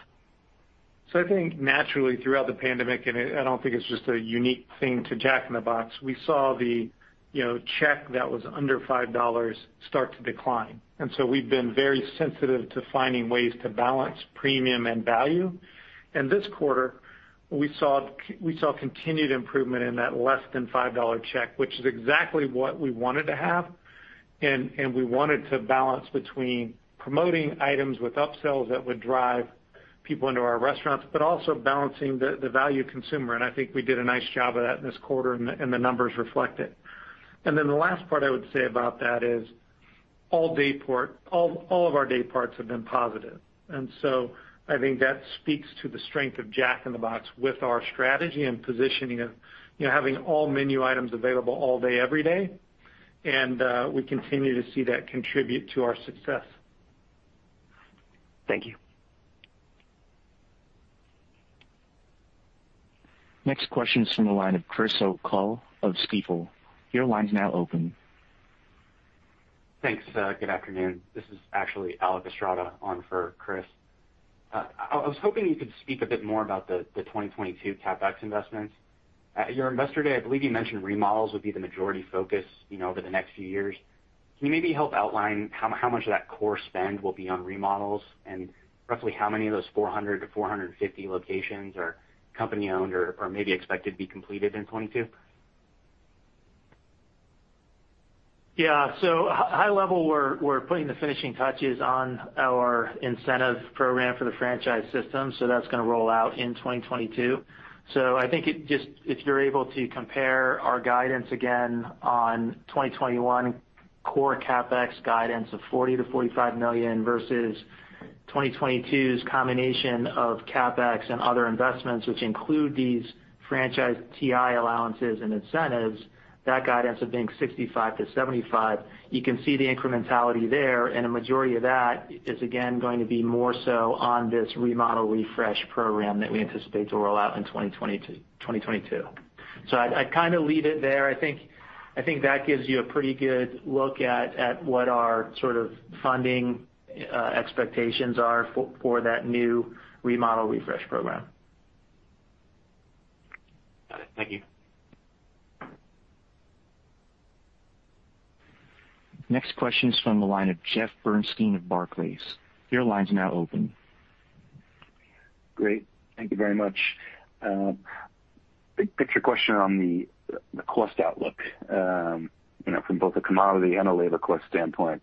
I think naturally throughout the pandemic, and I don't think it's just a unique thing to Jack in the Box, we saw the check that was under $5 start to decline. We've been very sensitive to finding ways to balance premium and value. In this quarter, we saw continued improvement in that less than $5 check, which is exactly what we wanted to have, and we wanted to balance between promoting items with upsells that would drive people into our restaurants, but also balancing the value consumer. I think we did a nice job of that in this quarter, and the numbers reflect it. The last part I would say about that is all of our day parts have been positive. I think that speaks to the strength of Jack in the Box with our strategy and positioning of having all menu items available all day, every day. We continue to see that contribute to our success. Thank you. Next question is from the line of Chris O'Cull of Stifel. Your line is now open. Thanks. Good afternoon. This is actually Alec Estrada on for Chris. I was hoping you could speak a bit more about the 2022 CapEx investments. At your Investor Day, I believe you mentioned remodels would be the majority focus over the next few years. Can you maybe help outline how much of that core spend will be on remodels and roughly how many of those 400-450 locations are company owned or maybe expected to be completed in 2022? Yeah. High level, we're putting the finishing touches on our incentive program for the franchise system. That's going to roll out in 2022. I think if you're able to compare our guidance again on 2021 core CapEx guidance of $40 million-$45 million versus 2022's combination of CapEx and other investments, which include these franchise TI allowances and incentives, that guidance of being $65 million-$75 million, you can see the incrementality there. A majority of that is again, going to be more so on this remodel refresh program that we anticipate to roll out in 2022. I kind of leave it there. I think that gives you a pretty good look at what our sort of funding expectations are for that new remodel refresh program. Got it. Thank you. Next question is from the line of Jeff Bernstein of Barclays. Your line is now open. Great. Thank you very much. Big picture question on the cost outlook. From both a commodity and a labor cost standpoint,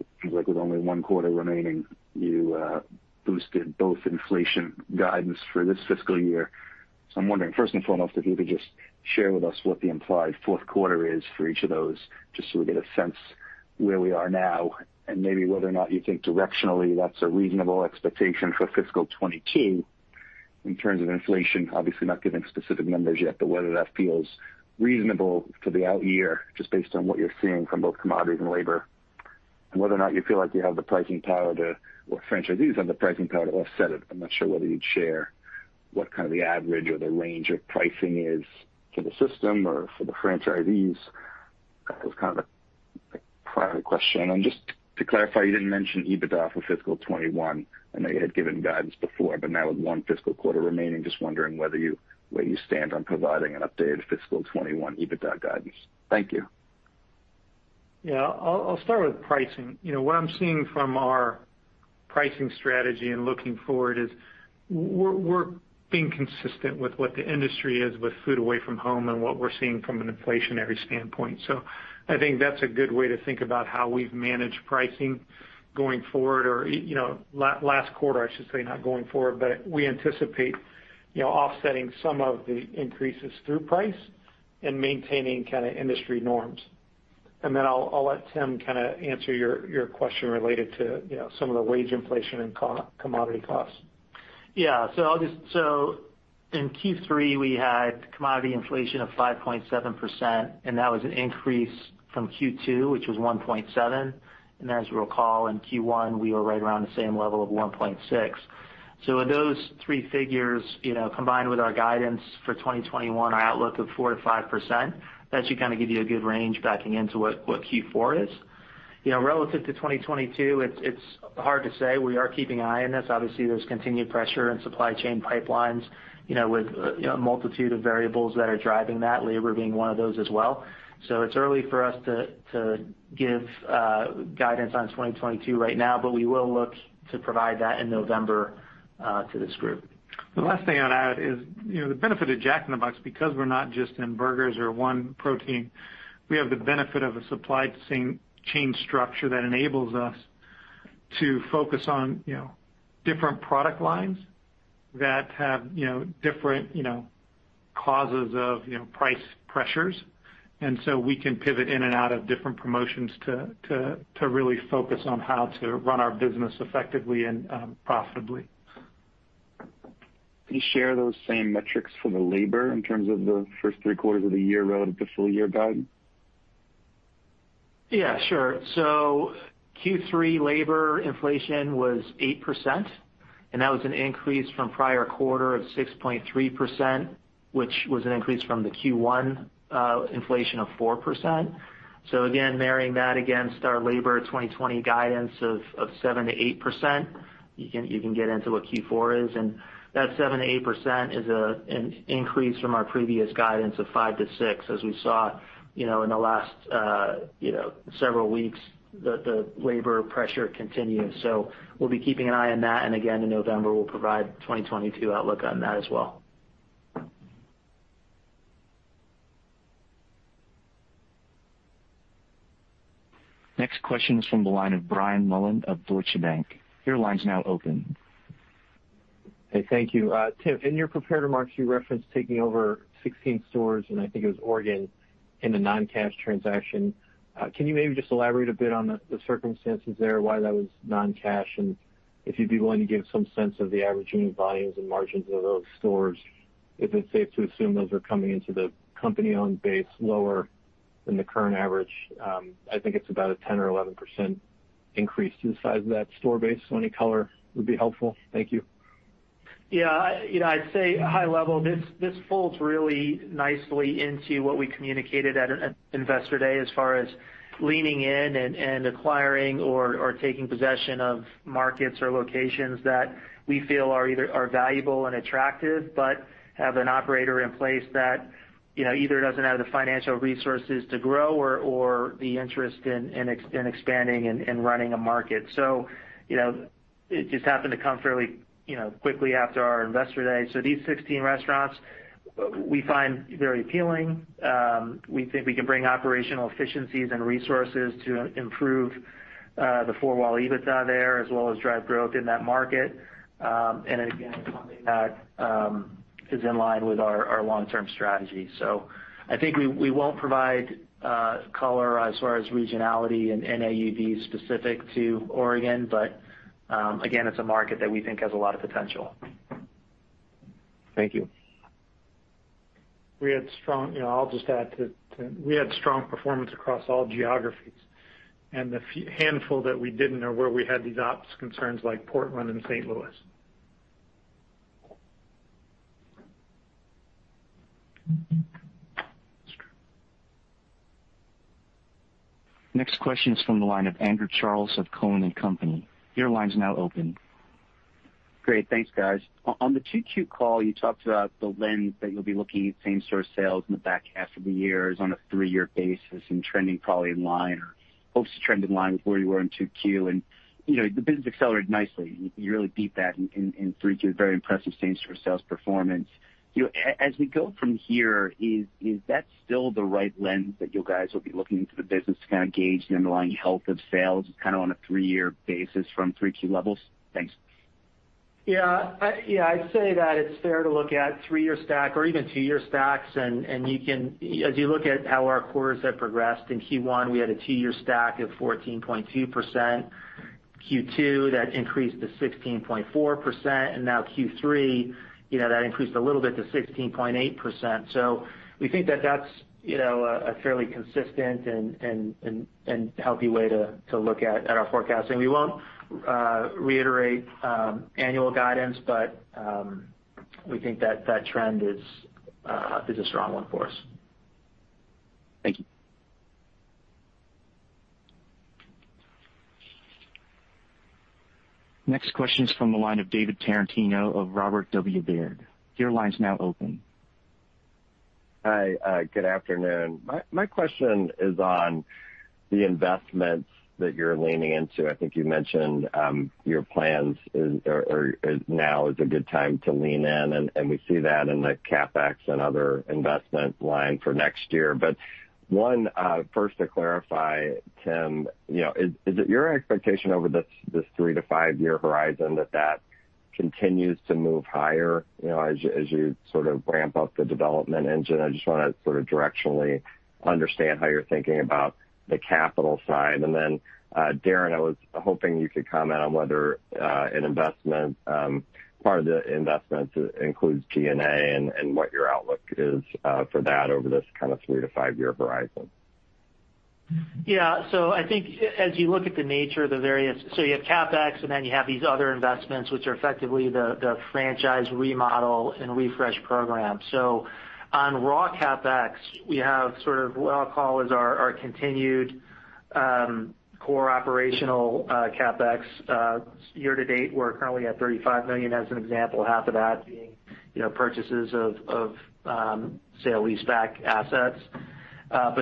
it seems like with only one quarter remaining, you boosted both inflation guidance for this fiscal year. I'm wondering, first and foremost, if you could just share with us what the implied fourth quarter is for each of those, just so we get a sense where we are now and maybe whether or not you think directionally that's a reasonable expectation for fiscal 2022 in terms of inflation. Obviously not giving specific numbers yet, whether that feels reasonable for the out year, just based on what you're seeing from both commodities and labor, and whether or not you feel like you have the pricing power to, or franchisees have the pricing power to offset it. I'm not sure whether you'd share what kind of the average or the range of pricing is for the system or for the franchisees. That was kind of a private question. Just to clarify, you didn't mention EBITDA for FY 2021. I know you had given guidance before, but now with one fiscal quarter remaining, just wondering where you stand on providing an updated FY 2021 EBITDA guidance. Thank you. I'll start with pricing. What I'm seeing from our pricing strategy and looking forward is we're being consistent with what the industry is with food away from home and what we're seeing from an inflationary standpoint. I think that's a good way to think about how we've managed pricing going forward, or last quarter, I should say, not going forward. We anticipate offsetting some of the increases through price and maintaining kind of industry norms. I'll let Tim answer your question related to some of the wage inflation and commodity costs. In Q3, we had commodity inflation of 5.7%, and that was an increase from Q2, which was 1.7%. As you'll recall, in Q1, we were right around the same level of 1.6%. Those three figures, combined with our guidance for 2021 outlook of 4%-5%, that should kind of give you a good range backing into what Q4 is. Relative to 2022, it's hard to say. We are keeping an eye on this. Obviously, there's continued pressure in supply chain pipelines, with a multitude of variables that are driving that, labor being one of those as well. It's early for us to give guidance on 2022 right now, but we will look to provide that in November to this group. The last thing I'd add is, the benefit of Jack in the Box, because we're not just in burgers or one protein, we have the benefit of a supply chain structure that enables us to focus on different product lines that have different causes of price pressures. We can pivot in and out of different promotions to really focus on how to run our business effectively and profitably. Can you share those same metrics for the labor in terms of the first three quarters of the year relative to full year guidance? Yeah, sure. Q3 labor inflation was 8%, and that was an increase from prior quarter of 6.3%, which was an increase from the Q1 inflation of 4%. Again, marrying that against our labor 2020 guidance of 7%-8%, you can get into what Q4 is. That 7%-8% is an increase from our previous guidance of 5%-6%. As we saw in the last several weeks, the labor pressure continues. We'll be keeping an eye on that, and again, in November, we'll provide 2022 outlook on that as well. Next question is from the line of Brian Mullan of Deutsche Bank. Your line's now open. Hey, thank you. Tim, in your prepared remarks, you referenced taking over 16 stores, and I think it was Oregon, in a non-cash transaction. Can you maybe just elaborate a bit on the circumstances there, why that was non-cash? If you'd be willing to give some sense of the average unit volumes and margins of those stores, if it's safe to assume those are coming into the company on base lower than the current average. I think it's about a 10% or 11% increase to the size of that store base. Any color would be helpful. Thank you. Yeah. I'd say high level, this folds really nicely into what we communicated at Investor Day as far as leaning in and acquiring or taking possession of markets or locations that we feel are valuable and attractive but have an operator in place that either doesn't have the financial resources to grow or the interest in expanding and running a market. It just happened to come fairly quickly after our Investor Day. These 16 restaurants, we find very appealing. We think we can bring operational efficiencies and resources to improve the four-wall EBITDA there, as well as drive growth in that market. Again, something that is in line with our long-term strategy. I think we won't provide color as far as regionality and AUV specific to Oregon, but again, it's a market that we think has a lot of potential. Thank you. I'll just add to Tim. We had strong performance across all geographies, and the handful that we didn't are where we had these ops concerns, like Portland and St. Louis. Next question is from the line of Andrew Charles of Cowen and Company. Your line's now open. Great. Thanks, guys. On the 2Q call, you talked about the lens that you'll be looking at same-store sales in the back half of the year is on a three-year basis and trending probably in line or hopes to trend in line with where you were in 2Q. The business accelerated nicely. You really beat that in 3Q, very impressive same-store sales performance. As we go from here, is that still the right lens that you guys will be looking into the business to kind of gauge the underlying health of sales, kind of on a three-year basis from 3Q levels? Thanks. Yeah. I'd say that it's fair to look at three-year stack or even two-year stacks. As you look at how our quarters have progressed, in Q1, we had a two-year stack of 14.2%. Q2, that increased to 16.4%. Now Q3, that increased a little bit to 16.8%. We think that's a fairly consistent and healthy way to look at our forecasting. We won't reiterate annual guidance, but we think that trend is a strong one for us. Thank you. Next question is from the line of David Tarantino of Robert W. Baird. Your line's now open. Hi. Good afternoon. My question is on the investments that you're leaning into. I think you mentioned your plans, now is a good time to lean in, and we see that in the CapEx and other investment line for next year. One, first to clarify, Tim, is it your expectation over this three- to five-year horizon that continues to move higher as you sort of ramp up the development engine? I just want to directionally understand how you're thinking about the capital side. Then, Darin, I was hoping you could comment on whether part of the investment includes G&A and what your outlook is for that over this kind of three- to five-year horizon. Yeah. I think as you look at the nature of the various, so you have CapEx, and then you have these other investments, which are effectively the franchise remodel and refresh program. On raw CapEx, we have sort of what I'll call is our continued core operational CapEx. Year to date, we're currently at $35 million, as an example, half of that being purchases of sale leaseback assets.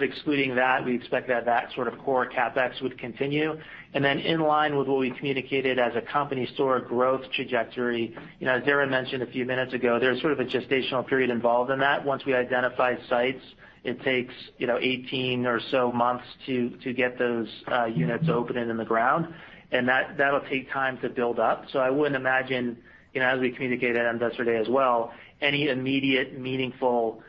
Excluding that, we expect that that sort of core CapEx would continue. In line with what we communicated as a company store growth trajectory, as Darin mentioned a few minutes ago, there's sort of a gestational period involved in that. Once we identify sites, it takes 18 or so months to get those units open and in the ground. That'll take time to build up. I wouldn't imagine, as we communicated at Investor Day as well, any immediate meaningful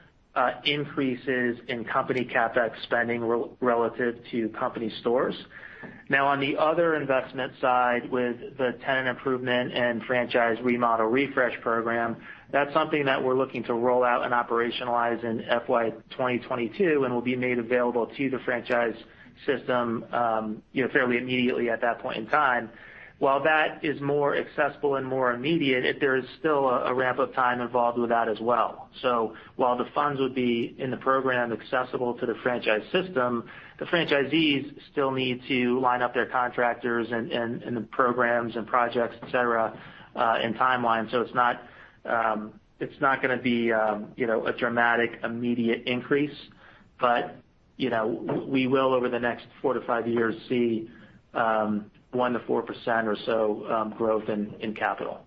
increases in company CapEx spending relative to company stores. Now, on the other investment side, with the tenant improvement and franchise remodel refresh program, that's something that we're looking to roll out and operationalize in FY 2022 and will be made available to the franchise system fairly immediately at that point in time. While that is more accessible and more immediate, there is still a ramp-up time involved with that as well. While the funds would be in the program accessible to the franchise system, the franchisees still need to line up their contractors and the programs and projects, et cetera, and timelines. It's not going to be a dramatic, immediate increase. We will, over the next four to five years, see 1%-4% or so growth in capital.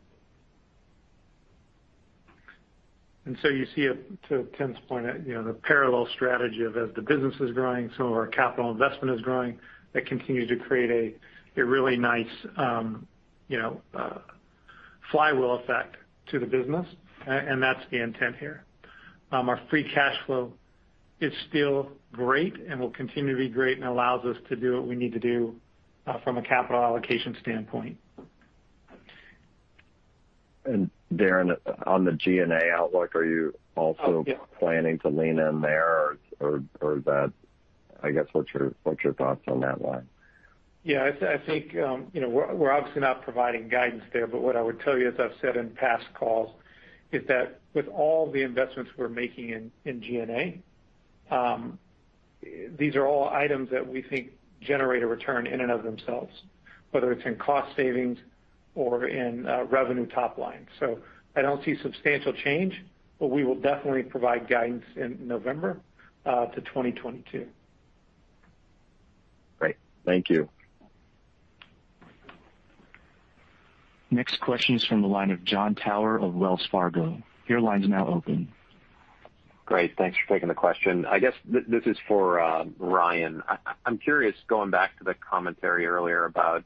You see it, to Tim's point, the parallel strategy of as the business is growing, some of our capital investment is growing. That continues to create a really nice flywheel effect to the business, and that's the intent here. Our free cash flow is still great and will continue to be great and allows us to do what we need to do from a capital allocation standpoint. Darin, on the G&A outlook, are you also planning to lean in there or I guess, what are your thoughts on that line? I think we're obviously not providing guidance there, but what I would tell you, as I've said in past calls, is that with all the investments we're making in G&A, these are all items that we think generate a return in and of themselves, whether it's in cost savings or in revenue top line. I don't see substantial change, but we will definitely provide guidance in November to 2022. Great. Thank you. Next question is from the line of Jon Tower of Wells Fargo. Your line is now open. Great. Thanks for taking the question. I guess this is for Ryan. I am curious, going back to the commentary earlier about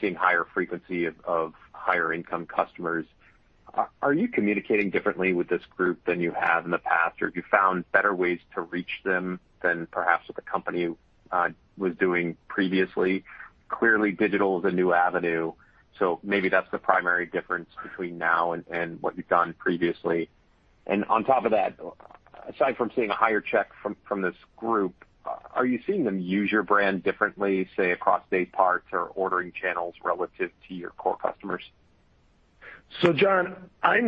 seeing higher frequency of higher income customers. Are you communicating differently with this group than you have in the past, or have you found better ways to reach them than perhaps what the company was doing previously? Clearly digital is a new avenue, so maybe that is the primary difference between now and what you have done previously. On top of that, aside from seeing a higher check from this group, are you seeing them use your brand differently, say, across day parts or ordering channels relative to your core customers? Jon, I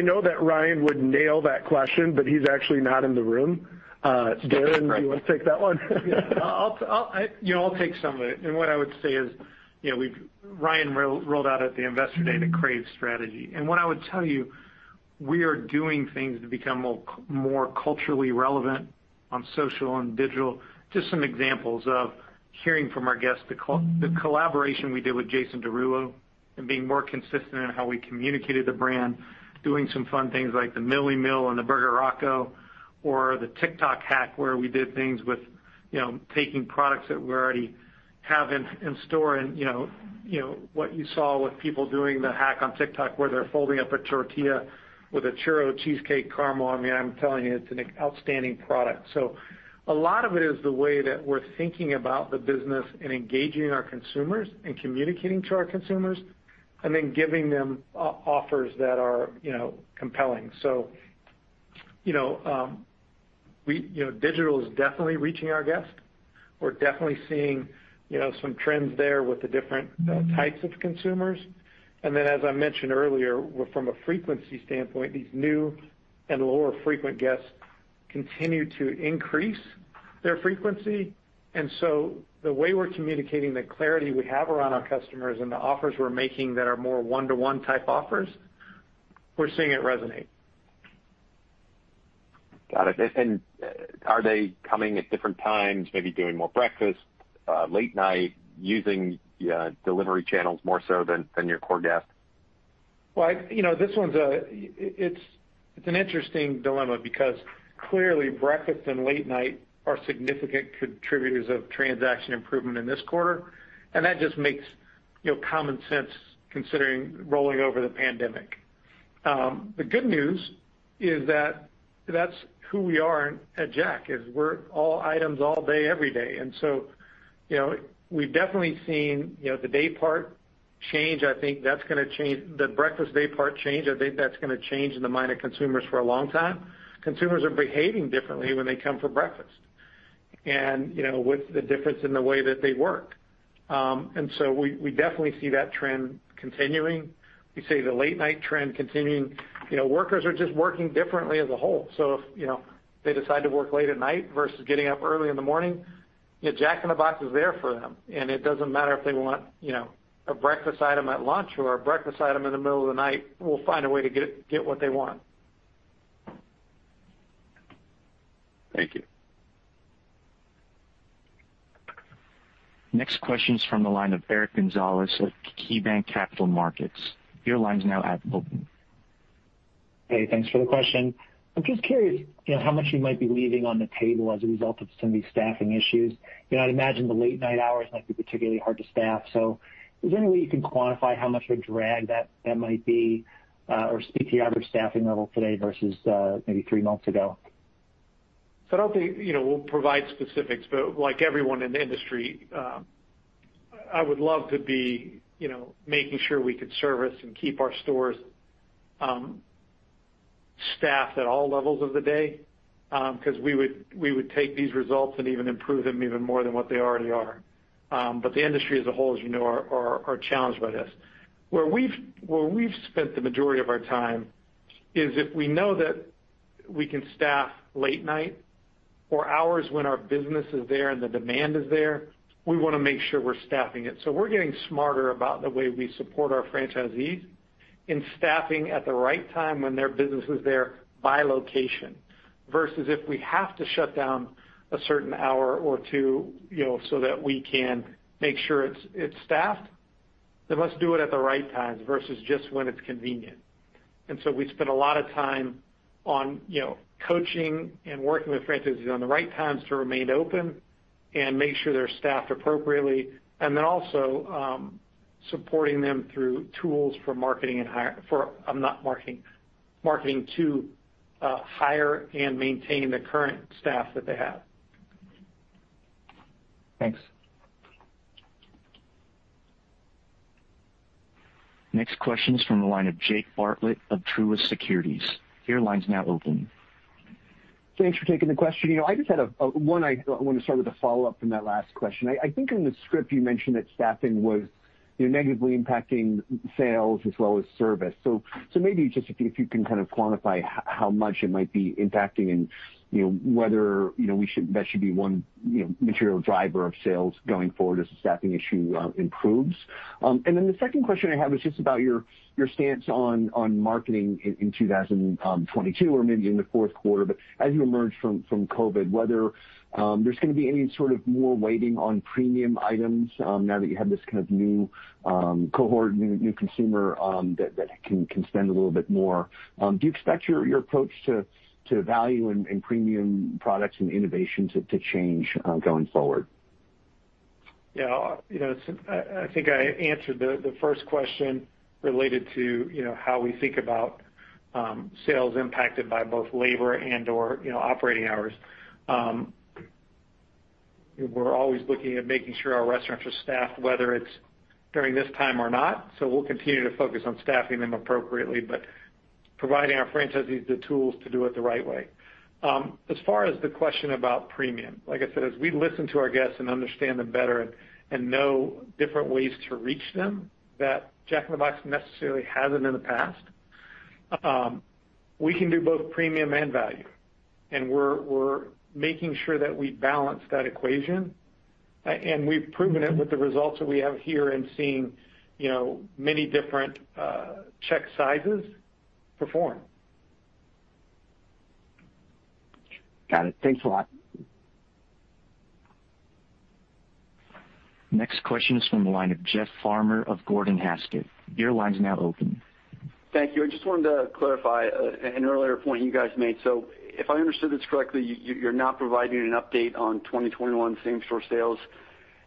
know that Ryan would nail that question, but he's actually not in the room. Darin, do you want to take that one? Yeah. I'll take some of it. What I would say is, Ryan rolled out at the Investor Day the crave strategy. What I would tell you, we are doing things to become more culturally relevant on social and digital. Just some examples of hearing from our guests, the collaboration we did with Jason Derulo and being more consistent in how we communicated the brand, doing some fun things like the Milli Meal and the Burger Rocco or the TikTok hack, where we did things with taking products that we already have in store and what you saw with people doing the hack on TikTok, where they're folding up a tortilla with a churro cheesecake caramel. I'm telling you, it's an outstanding product. A lot of it is the way that we're thinking about the business and engaging our consumers and communicating to our consumers, and then giving them offers that are compelling. Digital is definitely reaching our guests. We're definitely seeing some trends there with the different types of consumers. As I mentioned earlier, from a frequency standpoint, these new and lower frequent guests continue to increase their frequency. The way we're communicating the clarity we have around our customers and the offers we're making that are more one-to-one type offers, we're seeing it resonate. Got it. Are they coming at different times, maybe doing more breakfast, late night, using delivery channels more so than your core guests? Well, It's. It's an interesting dilemma because clearly breakfast and late night are significant contributors of transaction improvement in this quarter. That just makes common sense considering rolling over the pandemic. The good news is that that's who we are at Jack, is we're all items, all day, every day. We've definitely seen the day part change. I think the breakfast day part change, I think that's going to change in the mind of consumers for a long time. Consumers are behaving differently when they come for breakfast, and with the difference in the way that they work. We definitely see that trend continuing. We see the late night trend continuing. Workers are just working differently as a whole. If they decide to work late at night versus getting up early in the morning, Jack in the Box is there for them, and it doesn't matter if they want a breakfast item at lunch or a breakfast item in the middle of the night, we'll find a way to get what they want. Thank you. Next question is from the line of Eric Gonzalez of KeyBanc Capital Markets. Your line's now open. Hey, thanks for the question. I'm just curious how much you might be leaving on the table as a result of some of these staffing issues. I'd imagine the late-night hours might be particularly hard to staff. Is there any way you can quantify how much of a drag that might be, or speak to your average staffing level today versus maybe three months ago? I don't think we'll provide specifics, but like everyone in the industry, I would love to be making sure we could service and keep our stores staffed at all levels of the day, because we would take these results and even improve them even more than what they already are. The industry as a whole, as you know, are challenged by this. Where we've spent the majority of our time is if we know that we can staff late night for hours when our business is there and the demand is there, we want to make sure we're staffing it. We're getting smarter about the way we support our franchisees in staffing at the right time when their business is there by location, versus if we have to shut down a certain hour or two, so that we can make sure it's staffed, then let's do it at the right times versus just when it's convenient. We spend a lot of time on coaching and working with franchisees on the right times to remain open and make sure they're staffed appropriately, and then also supporting them through tools for marketing to hire and maintain the current staff that they have. Thanks. Next question is from the line of Jake Bartlett of Truist Securities. Your line's now open. Thanks for taking the question. I just had one. I want to start with a follow-up from that last question. I think in the script, you mentioned that staffing was negatively impacting sales as well as service. Maybe just if you can kind of quantify how much it might be impacting and whether that should be one material driver of sales going forward as the staffing issue improves. The second question I have is just about your stance on marketing in 2022 or maybe in the fourth quarter. As you emerge from COVID, whether there's going to be any sort of more weighting on premium items, now that you have this kind of new cohort, new consumer, that can spend a little bit more. Do you expect your approach to value and premium products and innovation to change going forward? I think I answered the first question related to how we think about sales impacted by both labor and/or operating hours. We're always looking at making sure our restaurants are staffed, whether it's during this time or not. We'll continue to focus on staffing them appropriately, but providing our franchisees the tools to do it the right way. As far as the question about premium, like I said, as we listen to our guests and understand them better and know different ways to reach them, that Jack in the Box necessarily hasn't in the past, we can do both premium and value, and we're making sure that we balance that equation. We've proven it with the results that we have here and seeing many different check sizes perform. Got it. Thanks a lot. Next question is from the line of Jeff Farmer of Gordon Haskett. Your line's now open. Thank you. I just wanted to clarify an earlier point you guys made. If I understood this correctly, you're not providing an update on 2021 same store sales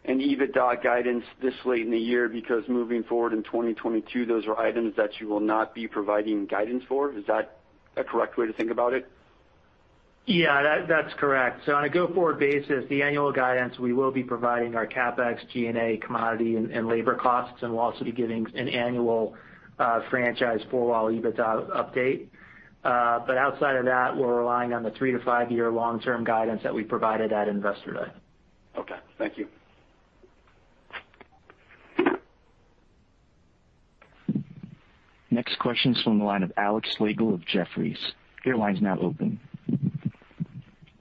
and EBITDA guidance this late in the year because moving forward in 2022, those are items that you will not be providing guidance for. Is that a correct way to think about it? Yeah, that's correct. On a go-forward basis, the annual guidance, we will be providing our CapEx, G&A, commodity, and labor costs, and we'll also be giving an annual franchise four-wall EBITDA update. Outside of that, we're relying on the three to five-year long-term guidance that we provided at Investor Day. Okay. Thank you. Next question is from the line of Alex Slagle of Jefferies. Your line's now open.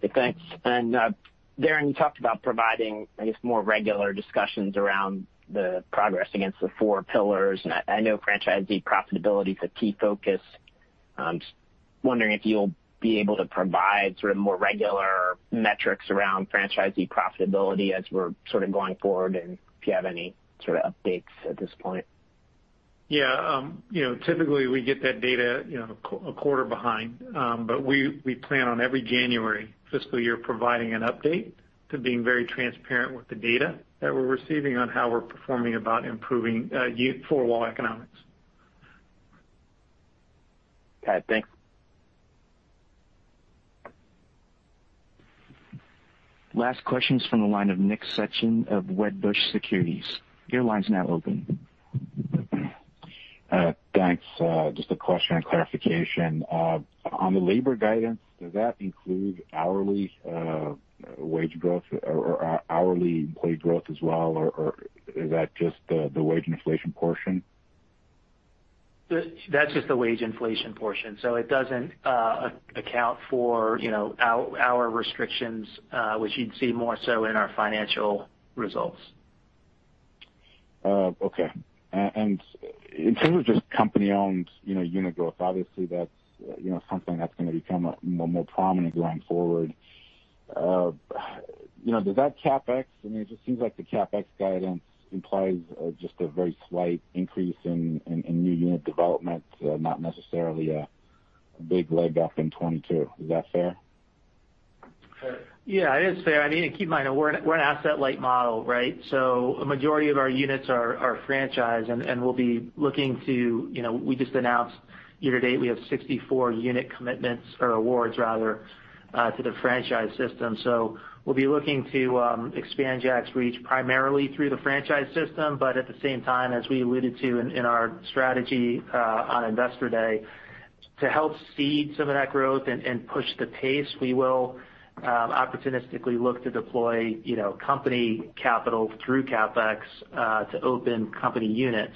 Hey, thanks. Darin, you talked about providing, I guess, more regular discussions around the progress against the four pillars, and I know franchisee profitability is a key focus. I'm just wondering if you'll be able to provide sort of more regular metrics around franchisee profitability as we're sort of going forward, and if you have any sort of updates at this point. Yeah. Typically, we get that data a quarter behind. We plan on every January fiscal year providing an update to being very transparent with the data that we're receiving on how we're performing about improving four-wall economics. Okay, thanks. Last question is from the line of Nick Setyan of Wedbush Securities. Your line's now open. Thanks. Clarification. On the labor guidance, does that include hourly wage growth or hourly employee growth as well, or is that just the wage inflation portion? That's just the wage inflation portion. It doesn't account for hour restrictions, which you'd see more so in our financial results. Okay. In terms of just company-owned unit growth, obviously that's something that's going to become more prominent going forward. Does that CapEx, I mean, it just seems like the CapEx guidance implies just a very slight increase in new unit development, not necessarily a big leg up in 2022. Is that fair? Yeah, it is fair. I mean, and keep in mind, we're an asset-light model, right? A majority of our units are franchise, and we'll be looking to, we just announced year to date, we have 64 unit commitments or awards, rather, to the franchise system. We'll be looking to expand Jack's reach primarily through the franchise system. At the same time, as we alluded to in our strategy on Investor Day, to help seed some of that growth and push the pace, we will opportunistically look to deploy company capital through CapEx to open company units.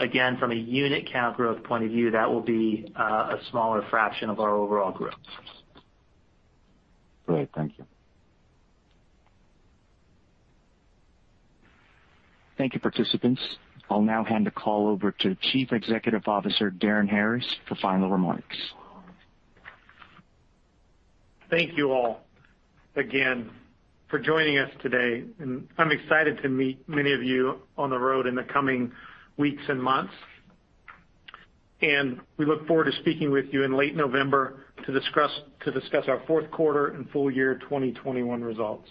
Again, from a unit count growth point of view, that will be a smaller fraction of our overall growth. Great. Thank you. Thank you, participants. I'll now hand the call over to Chief Executive Officer, Darin Harris, for final remarks. Thank you all again for joining us today, and I'm excited to meet many of you on the road in the coming weeks and months. We look forward to speaking with you in late November to discuss our fourth quarter and full year 2021 results.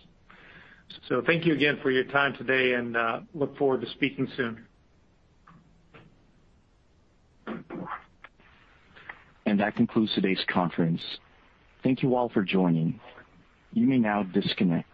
Thank you again for your time today, and look forward to speaking soon. That concludes today's conference. Thank you all for joining. You may now disconnect.